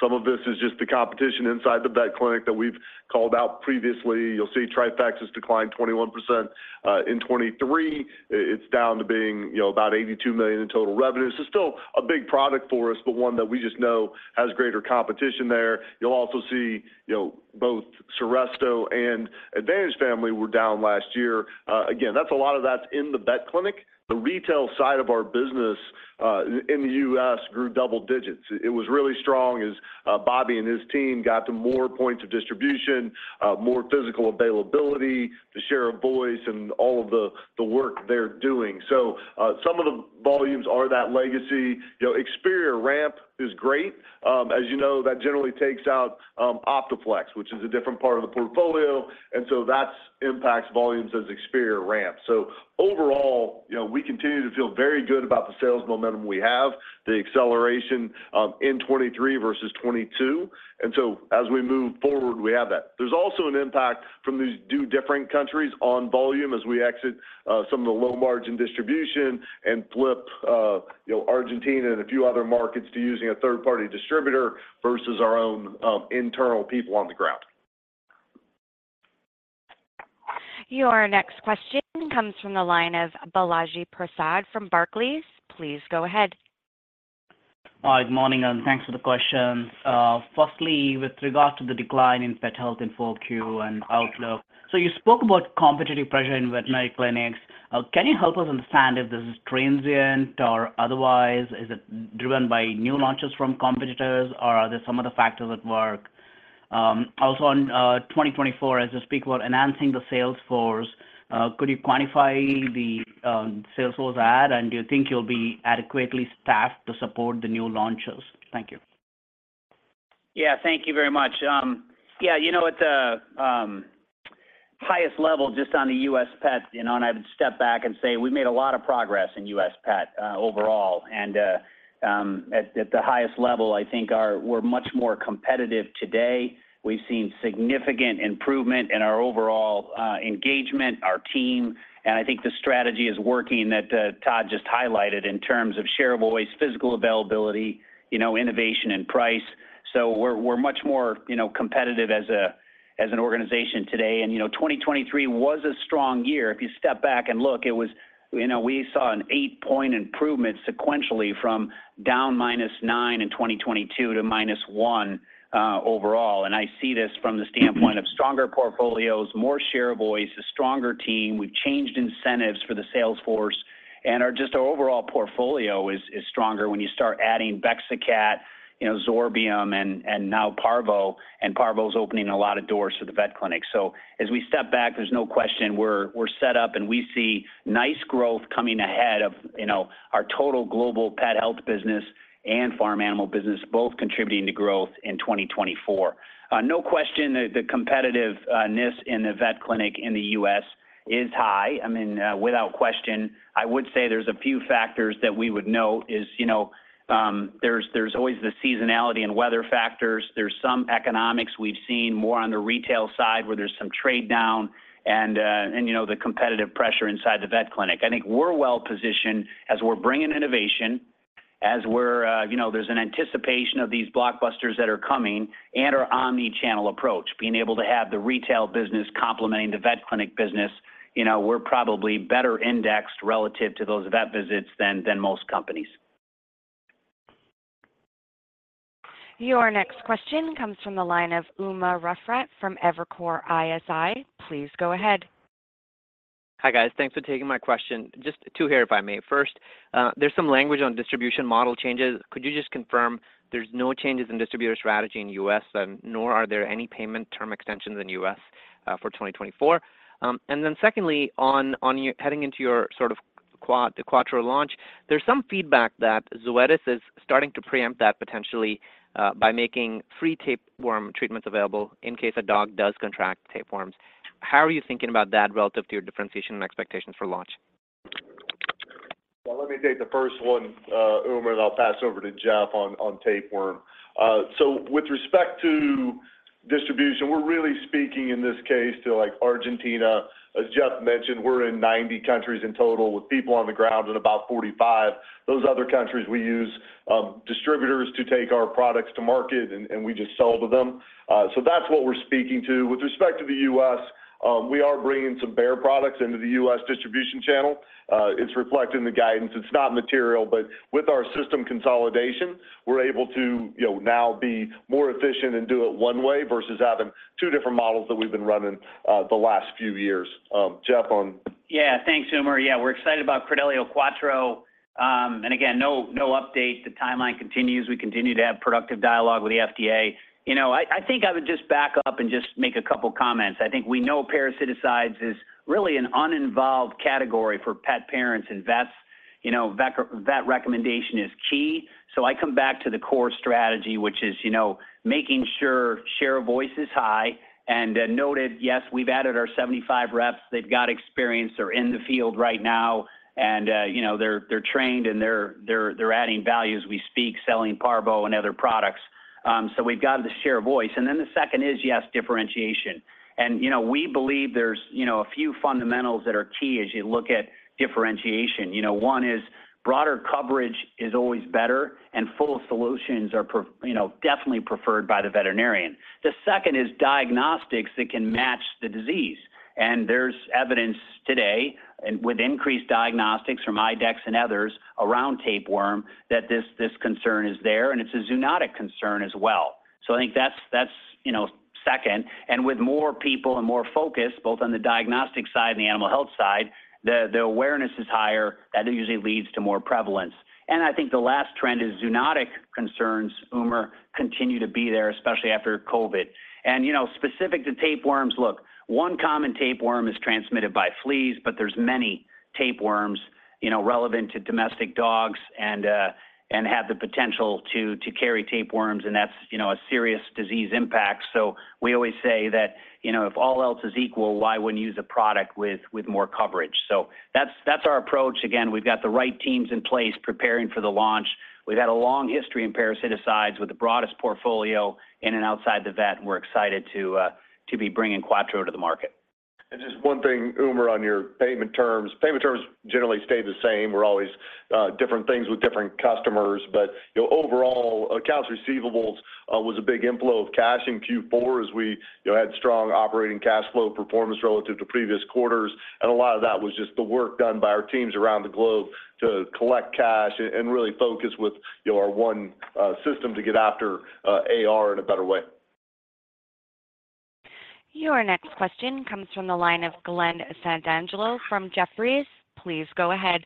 Speaker 4: Some of this is just the competition inside the vet clinic that we've called out previously. You'll see Trifexis has declined 21% in 2023. It's down to being, you know, about $82 million in total revenues. So still a big product for us, but one that we just know has greater competition there. You'll also see, you know, both Seresto and Advantage family were down last year. Again, that's a lot of that's in the vet clinic. The retail side of our business in the US grew double digits. It was really strong as Bobby and his team got to more points of distribution, more physical availability, the share of voice, and all of the, the work they're doing. So, some of the volumes are that legacy. You know, Experior ramp is great. As you know, that generally takes out Optaflexx, which is a different part of the portfolio, and so that's impacts volumes as Experior ramps. So overall, you know, we continue to feel very good about the sales momentum we have, the acceleration in 2023 versus 2022, and so as we move forward, we have that. There's also an impact from these two different countries on volume as we exit some of the low-margin distribution and flip, you know, Argentina and a few other markets to using a third-party distributor versus our own internal people on the ground.
Speaker 1: Your next question comes from the line of Balaji Prasad from Barclays. Please go ahead.
Speaker 8: Hi, good morning, and thanks for the questions. Firstly, with regard to the decline in pet health in Q4 and outlook. So you spoke about competitive pressure in veterinary clinics, can you help us understand if this is transient or otherwise? Is it driven by new launches from competitors, or are there some other factors at work? Also on 2024, as you speak about enhancing the sales force, could you quantify the sales force add, and do you think you'll be adequately staffed to support the new launches? Thank you.
Speaker 3: Yeah, thank you very much. Yeah, you know, at the highest level, just on the US pet, you know, and I would step back and say we've made a lot of progress in US pet overall. At the highest level, I think we're much more competitive today. We've seen significant improvement in our overall engagement, our team, and I think the strategy is working that Todd just highlighted in terms of share voice, physical availability, you know, innovation and price. So we're much more competitive as an organization today. You know, 2023 was a strong year. If you step back and look, it was, you know, we saw an 8-point improvement sequentially from down -9 in 2022 to -1 overall. And I see this from the standpoint of stronger portfolios, more share voice, a stronger team. We've changed incentives for the sales force, and our just our overall portfolio is, is stronger when you start adding Bexacat, you know, Zorbium, and, and now Parvo, and Parvo is opening a lot of doors for the vet clinic. So as we step back, there's no question we're, we're set up, and we see nice growth coming ahead of, you know, our total global pet health business and farm animal business, both contributing to growth in 2024. No question, the competitiveness in the vet clinic in the US is high. I mean, without question, I would say there's a few factors that we would note is, you know, there's always the seasonality and weather factors. There's some economics we've seen more on the retail side, where there's some trade down and, and, you know, the competitive pressure inside the vet clinic. I think we're well positioned as we're bringing innovation, as we're, you know, there's an anticipation of these blockbusters that are coming and our omni-channel approach. Being able to have the retail business complementing the vet clinic business, you know, we're probably better indexed relative to those vet visits than most companies.
Speaker 1: Your next question comes from the line of Umer Raffat from Evercore ISI. Please go ahead.
Speaker 9: Hi, guys. Thanks for taking my question. Just two here, if I may. First, there's some language on distribution model changes. Could you just confirm there's no changes in distributor strategy in U.S., nor are there any payment term extensions in U.S., for 2024? And then secondly, on your heading into your sort of Quattro launch, there's some feedback that Zoetis is starting to preempt that potentially, by making free tapeworm treatments available in case a dog does contract tapeworms. How are you thinking about that relative to your differentiation and expectations for launch?
Speaker 4: Well, let me take the first one, Umer, and I'll pass over to Jeff on tapeworm. So with respect to distribution, we're really speaking in this case to, like, Argentina. As Jeff mentioned, we're in 90 countries in total, with people on the ground in about 45. Those other countries, we use distributors to take our products to market, and we just sell to them. So that's what we're speaking to. With respect to the U.S., we are bringing some Bayer products into the U.S. distribution channel. It's reflected in the guidance. It's not material, but with our system consolidation, we're able to, you know, now be more efficient and do it one way versus having two different models that we've been running the last few years. Jeff, on?
Speaker 3: Yeah, thanks, Umer. Yeah, we're excited about Credelio Quattro. And again, no update. The timeline continues. We continue to have productive dialogue with the FDA. You know, I think I would just back up and just make a couple comments. I think we know parasiticides is really an uninvolved category for pet parents, and vets, you know, vet recommendation is key. So I come back to the core strategy, which is, you know, making sure share voice is high and noted, yes, we've added our 75 reps. They've got experience, they're in the field right now, and, you know, they're trained, and they're adding value as we speak, selling Parvo and other products. So we've got the share voice. And then the second is, yes, differentiation. You know, we believe there's, you know, a few fundamentals that are key as you look at differentiation. You know, one is broader coverage is always better, and full solutions are, you know, definitely preferred by the veterinarian. The second is diagnostics that can match the disease, and there's evidence today, and with increased diagnostics from IDEXX and others around tapeworm, that this concern is there, and it's a zoonotic concern as well. So I think that's second, and with more people and more focus, both on the diagnostic side and the animal health side, the awareness is higher, and it usually leads to more prevalence. And I think the last trend is zoonotic concerns, Umer, continue to be there, especially after COVID. You know, specific to tapeworms, look, one common tapeworm is transmitted by fleas, but there's many tapeworms, you know, relevant to domestic dogs and have the potential to carry tapeworms, and that's, you know, a serious disease impact. So we always say that, you know, if all else is equal, why wouldn't you use a product with more coverage? So that's our approach. Again, we've got the right teams in place preparing for the launch. We've had a long history in parasiticides with the broadest portfolio in and outside the vet, and we're excited to be bringing Quattro to the market.
Speaker 4: Just one thing, Umer, on your payment terms. Payment terms generally stay the same. We're always different things with different customers, but, you know, overall, accounts receivables was a big inflow of cash in Q4 as we, you know, had strong operating cash flow performance relative to previous quarters. A lot of that was just the work done by our teams around the globe to collect cash and really focus with, you know, our one system to get after AR in a better way.
Speaker 1: Your next question comes from the line of Glenn Santangelo from Jefferies. Please go ahead.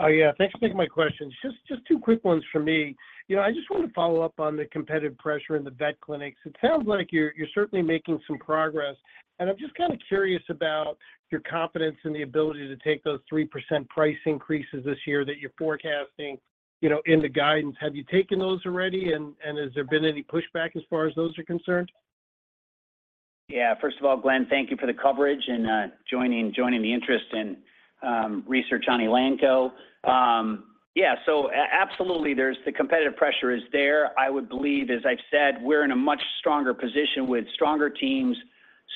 Speaker 10: Oh, yeah. Thanks for taking my questions. Just two quick ones for me. You know, I just want to follow up on the competitive pressure in the vet clinics. It sounds like you're certainly making some progress, and I'm just kinda curious about your confidence in the ability to take those 3% price increases this year that you're forecasting, you know, in the guidance. Have you taken those already, and has there been any pushback as far as those are concerned?
Speaker 3: Yeah, first of all, Glenn, thank you for the coverage and joining the interest in research on Elanco. Yeah, so absolutely, there's the competitive pressure is there. I would believe, as I've said, we're in a much stronger position with stronger teams,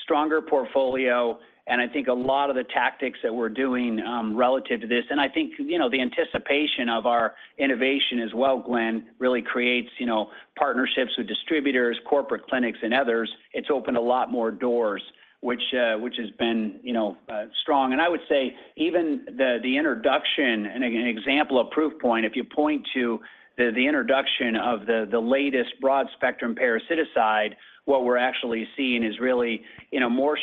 Speaker 3: stronger portfolio, and I think a lot of the tactics that we're doing relative to this. And I think, you know, the anticipation of our innovation as well, Glenn, really creates, you know, partnerships with distributors, corporate clinics, and others. It's opened a lot more doors, which has been, you know, strong. And I would say even the introduction... and an example, a proof point, if you point to the introduction of the latest broad-spectrum parasiticide, what we're actually seeing is really, you know, more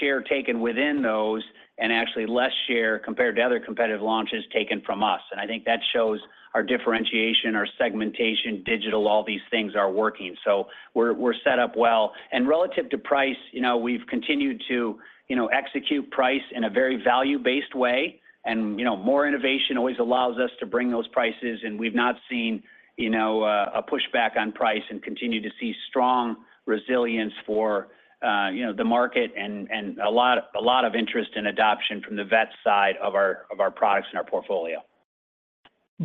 Speaker 3: share taken within those, and actually less share, compared to other competitive launches, taken from us. And I think that shows our differentiation, our segmentation, digital, all these things are working. So we're set up well. And relative to price, you know, we've continued to, you know, execute price in a very value-based way. And, you know, more innovation always allows us to bring those prices, and we've not seen, you know, a pushback on price and continue to see strong resilience for the market and a lot, a lot of interest in adoption from the vet side of our products and our portfolio.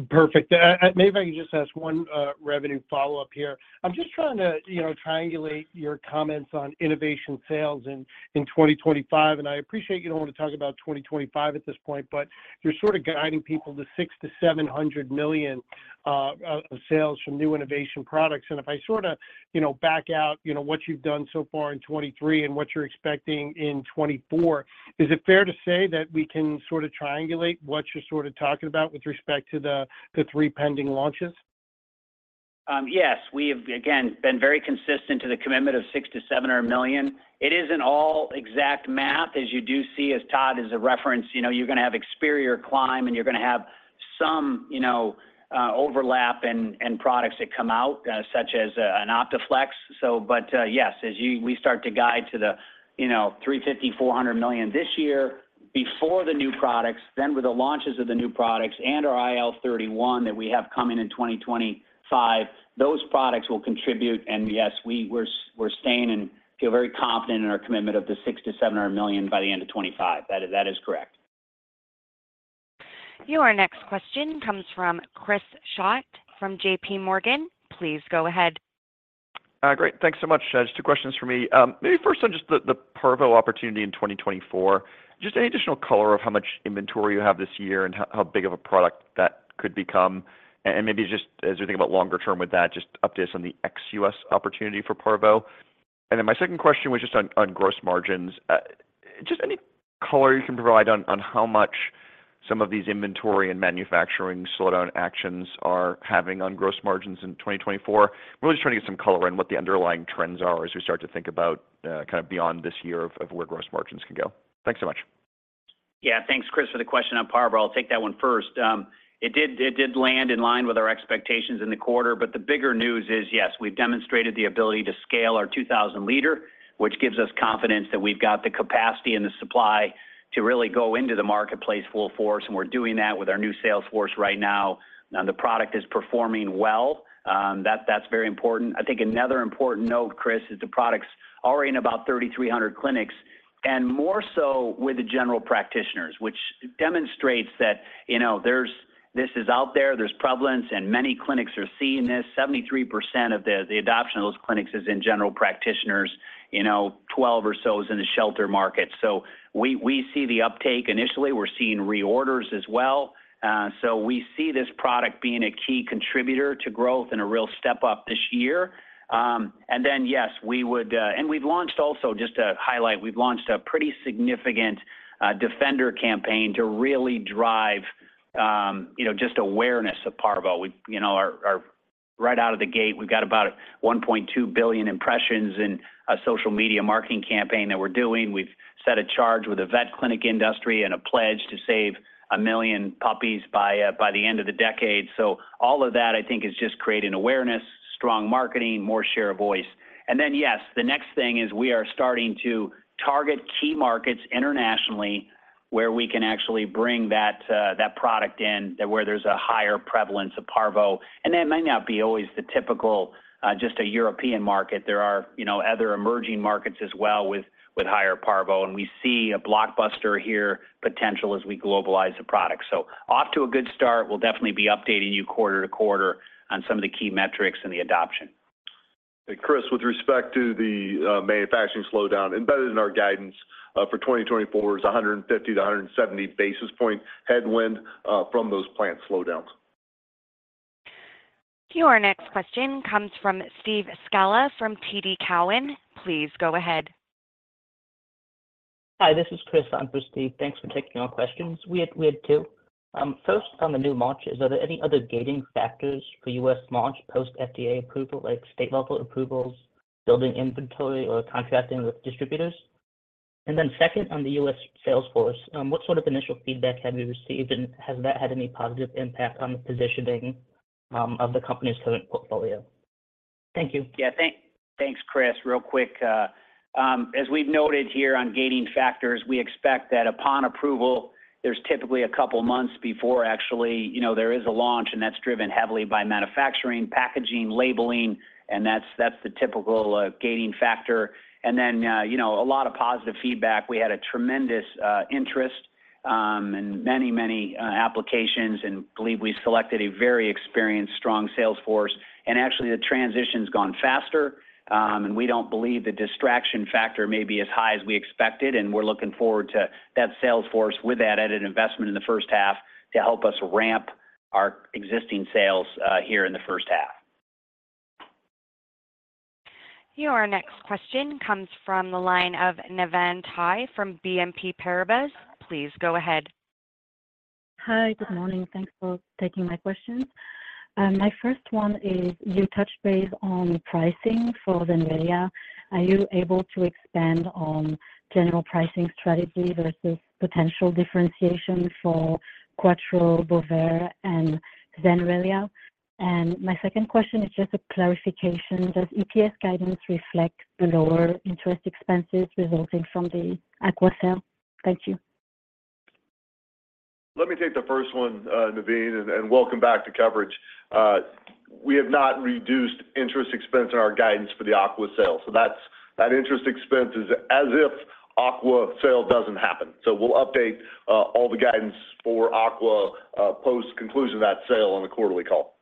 Speaker 10: Perfect. Maybe if I can just ask one revenue follow-up here. I'm just trying to, you know, triangulate your comments on innovation sales in 2025, and I appreciate you don't want to talk about 2025 at this point, but you're sort of guiding people to $600 million-$700 million sales from new innovation products. And if I sorta, you know, back out, you know, what you've done so far in 2023 and what you're expecting in 2024, is it fair to say that we can sort of triangulate what you're sort of talking about with respect to the three pending launches?
Speaker 3: Yes. We have, again, been very consistent to the commitment of $600 million-$700 million. It isn't all exact math, as you do see, as Todd has referenced, you know, you're going to have Experior climb, and you're going to have some, you know, overlap and, and products that come out, such as, an Optaflexx. So but, yes, as you- we start to guide to the, you know, $350 million-$400 million this year before the new products, then with the launches of the new products and our IL-31 that we have coming in 2025, those products will contribute, and yes, we- we're, we're staying and feel very confident in our commitment of the $600 million-$700 million by the end of 2025. That is, that is correct.
Speaker 1: Your next question comes from Chris Schott from JP Morgan. Please go ahead.
Speaker 11: Great. Thanks so much. Just two questions for me. Maybe first on just the parvo opportunity in 2024. Just any additional color on how much inventory you have this year and how big of a product that could become? And maybe just as you think about longer term with that, just updates on the ex-US opportunity for parvo. And then my second question was just on gross margins. Just any color you can provide on how much some of these inventory and manufacturing slowdown actions are having on gross margins in 2024? Really just trying to get some color on what the underlying trends are as we start to think about kind of beyond this year of where gross margins can go. Thanks so much.
Speaker 3: Yeah. Thanks, Chris, for the question on parvo. I'll take that one first. It did land in line with our expectations in the quarter, but the bigger news is, yes, we've demonstrated the ability to scale our 2,000-liter, which gives us confidence that we've got the capacity and the supply to really go into the marketplace full force, and we're doing that with our new sales force right now. And the product is performing well. That's very important. I think another important note, Chris, is the product's already in about 3,300 clinics, and more so with the general practitioners, which demonstrates that, you know, there's, this is out there, there's prevalence, and many clinics are seeing this. 73% of the adoption of those clinics is in general practitioners, you know, 12 or so is in the shelter market. So we, we see the uptake initially. We're seeing reorders as well. So we see this product being a key contributor to growth and a real step up this year. And then, yes, we would. And we've launched also, just to highlight, we've launched a pretty significant Defender campaign to really drive, you know, just awareness of parvo. We, you know, right out of the gate, we've got about 1.2 billion impressions in a social media marketing campaign that we're doing. We've set a charge with the vet clinic industry and a pledge to save 1 million puppies by the end of the decade. So all of that, I think, is just creating awareness, strong marketing, more share of voice. And then, yes, the next thing is we are starting to target key markets internationally, where we can actually bring that, that product in, where there's a higher prevalence of parvo. And that may not be always the typical, just a European market. There are, you know, other emerging markets as well with, with higher parvo, and we see a blockbuster here, potential as we globalize the product. So off to a good start. We'll definitely be updating you quarter to quarter on some of the key metrics and the adoption.
Speaker 4: Chris, with respect to the manufacturing slowdown, embedded in our guidance for 2024 is a 150-170 basis point headwind from those plant slowdowns.
Speaker 1: Your next question comes from Steve Scala from TD Cowen. Please go ahead.
Speaker 12: Hi, this is Chris. I'm for Steve. Thanks for taking our questions. We had two. First, on the new launches, are there any other gating factors for U.S. launch post-FDA approval, like state-level approvals, building inventory, or contracting with distributors? And then second, on the U.S. sales force, what sort of initial feedback have you received, and has that had any positive impact on the positioning of the company's current portfolio? Thank you.
Speaker 3: Yeah, thanks, Chris. Real quick, as we've noted here on gating factors, we expect that upon approval, there's typically a couple of months before actually, you know, there is a launch, and that's driven heavily by manufacturing, packaging, labeling, and that's the typical gating factor. And then, you know, a lot of positive feedback. We had a tremendous interest and many, many applications, and believe we selected a very experienced, strong sales force. And actually, the transition's gone faster, and we don't believe the distraction factor may be as high as we expected, and we're looking forward to that sales force with that added investment in the first half to help us ramp our existing sales here in the first half.
Speaker 1: Your next question comes from the line of Navann Ty from BNP Paribas. Please go ahead.
Speaker 13: Hi, good morning. Thanks for taking my questions. My first one is, you touched base on pricing for Zenrelia. Are you able to expand on general pricing strategy versus potential differentiation for Quattro, Bovaer, and Zenrelia? And my second question is just a clarification. Does EPS guidance reflect the lower interest expenses resulting from the Aqua sale? Thank you.
Speaker 4: Let me take the first one, Navann, and welcome back to coverage. We have not reduced interest expense in our guidance for the Aqua sale. So that interest expense is as if Aqua sale doesn't happen. So we'll update all the guidance for Aqua post conclusion of that sale on the quarterly call.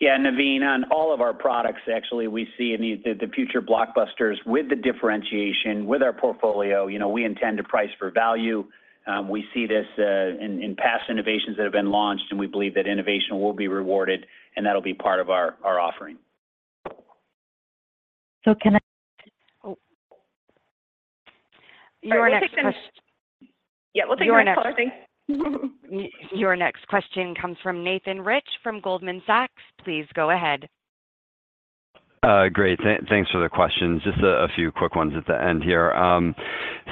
Speaker 3: Yeah, Navin, on all of our products, actually, we see in the future blockbusters with the differentiation, with our portfolio, you know, we intend to price for value. We see this, in past innovations that have been launched, and we believe that innovation will be rewarded, and that'll be part of our offering.
Speaker 13: Can I? Oh.
Speaker 1: Your next question. Yeah, we'll take the next one. Your next question comes from Nathan Rich from Goldman Sachs. Please go ahead.
Speaker 14: Great. Thanks for the questions. Just a few quick ones at the end here.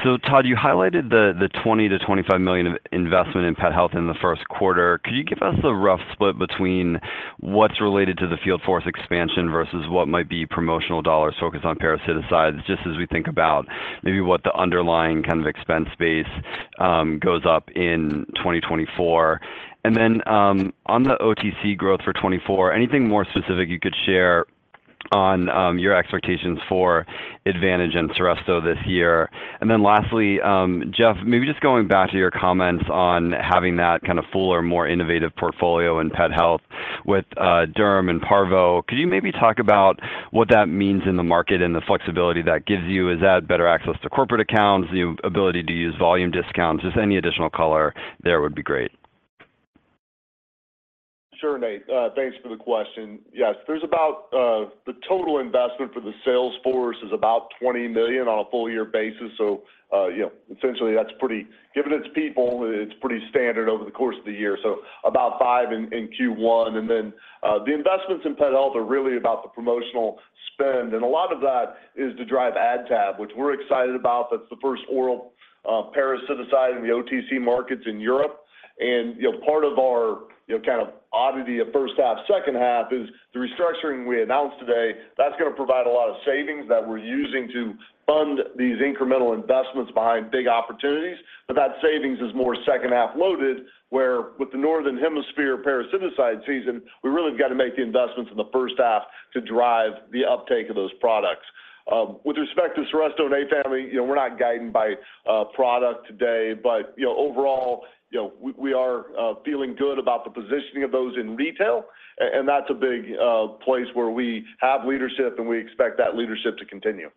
Speaker 14: So Todd, you highlighted the $20 million-$25 million of investment in pet health in the first quarter. Could you give us a rough split between what's related to the field force expansion versus what might be promotional dollars focused on parasiticides, just as we think about maybe what the underlying kind of expense base goes up in 2024? And then, on the OTC growth for 2024, anything more specific you could share on your expectations for Advantage and Seresto this year? And then lastly, Jeff, maybe just going back to your comments on having that kind of fuller, more innovative portfolio in pet health with Derm and Parvo, could you maybe talk about what that means in the market and the flexibility that gives you? Is that better access to corporate accounts, the ability to use volume discounts? Just any additional color there would be great.
Speaker 4: Sure, Nate. Thanks for the question. Yes, there's about the total investment for the sales force is about $20 million on a full year basis. So, you know, essentially, that's pretty... Given it's people, it's pretty standard over the course of the year, so about $5 million in Q1. And then the investments in pet health are really about the promotional spend, and a lot of that is to drive AdTab, which we're excited about. That's the first oral parasiticide in the OTC markets in Europe. And, you know, part of our, you know, kind of oddity of first half, second half is the restructuring we announced today. That's gonna provide a lot of savings that we're using to fund these incremental investments behind big opportunities. But that savings is more second-half loaded, where with the Northern Hemisphere parasiticide season, we really got to make the investments in the first half to drive the uptake of those products. With respect to Seresto and Advantage family, you know, we're not guiding by product today, but, you know, overall, you know, we, we are feeling good about the positioning of those in retail, and that's a big place where we have leadership, and we expect that leadership to continue.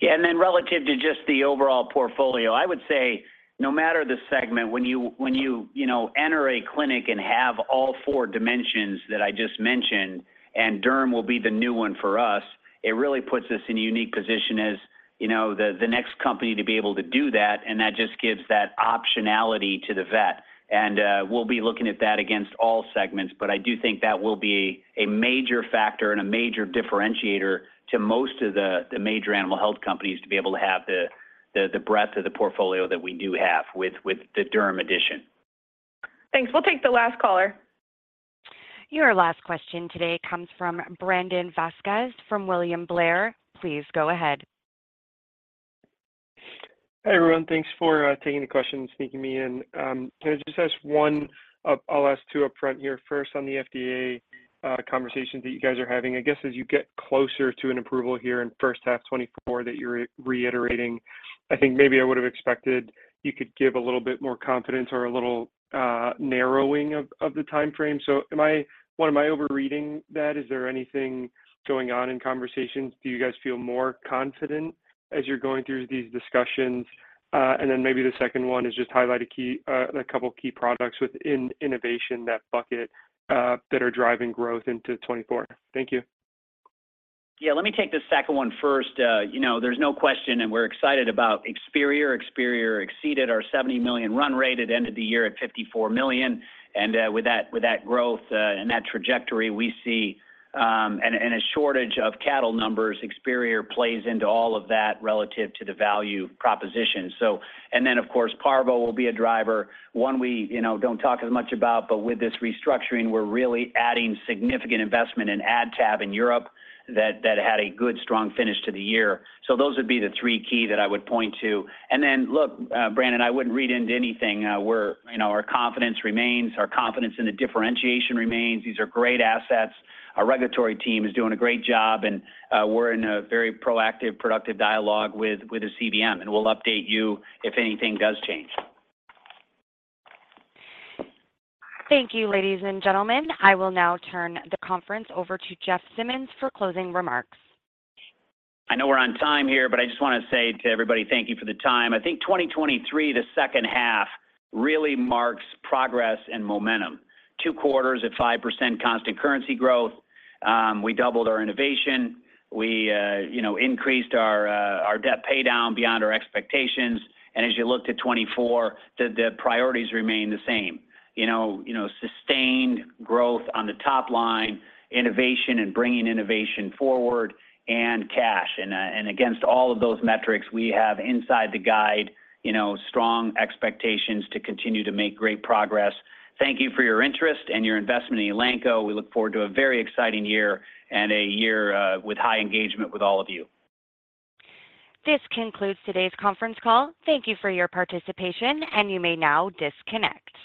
Speaker 3: Yeah, and then relative to just the overall portfolio, I would say no matter the segment, when you, when you, you know, enter a clinic and have all four dimensions that I just mentioned, and Derm will be the new one for us, it really puts us in a unique position as, you know, the, the next company to be able to do that, and that just gives that optionality to the vet. And we'll be looking at that against all segments, but I do think that will be a major factor and a major differentiator to most of the, the major animal health companies to be able to have the, the, the breadth of the portfolio that we do have with, with the derm addition.
Speaker 14: Thanks. We'll take the last caller.
Speaker 1: Your last question today comes from Brandon Vazquez, from William Blair. Please go ahead.
Speaker 15: Hi, everyone. Thanks for taking the question and sneaking me in. Can I just ask one, I'll ask two upfront here. First, on the FDA conversations that you guys are having, I guess, as you get closer to an approval here in first half 2024, that you're reiterating, I think maybe I would have expected you could give a little bit more confidence or a little narrowing of the timeframe. So am I one, am I overreading that? Is there anything going on in conversations? Do you guys feel more confident as you're going through these discussions? And then maybe the second one is just highlight a key, a couple of key products within innovation, that bucket, that are driving growth into 2024. Thank you.
Speaker 3: Yeah, let me take the second one first. You know, there's no question, and we're excited about Experior. Experior exceeded our $70 million run rate. It ended the year at $54 million. And with that, with that growth and that trajectory, we see... And a shortage of cattle numbers, Experior plays into all of that relative to the value proposition. So and then, of course, Parvo will be a driver. One we, you know, don't talk as much about, but with this restructuring, we're really adding significant investment in AdTab in Europe, that had a good, strong finish to the year. So those would be the three key that I would point to. And then, look, Brandon, I wouldn't read into anything. We're, you know, our confidence remains, our confidence in the differentiation remains. These are great assets. Our regulatory team is doing a great job, and we're in a very proactive, productive dialogue with the CVM, and we'll update you if anything does change.
Speaker 1: Thank you, ladies and gentlemen. I will now turn the conference over to Jeff Simmons for closing remarks.
Speaker 3: I know we're on time here, but I just want to say to everybody, thank you for the time. I think 2023, the second half, really marks progress and momentum. 2 quarters at 5% constant currency growth. We doubled our innovation. We, you know, increased our, our debt pay down beyond our expectations. And as you look to 2024, the, the priorities remain the same. You know, you know, sustained growth on the top line, innovation and bringing innovation forward, and cash. And, and against all of those metrics, we have inside the guide, you know, strong expectations to continue to make great progress. Thank you for your interest and your investment in Elanco. We look forward to a very exciting year and a year, with high engagement with all of you.
Speaker 1: This concludes today's conference call. Thank you for your participation, and you may now disconnect.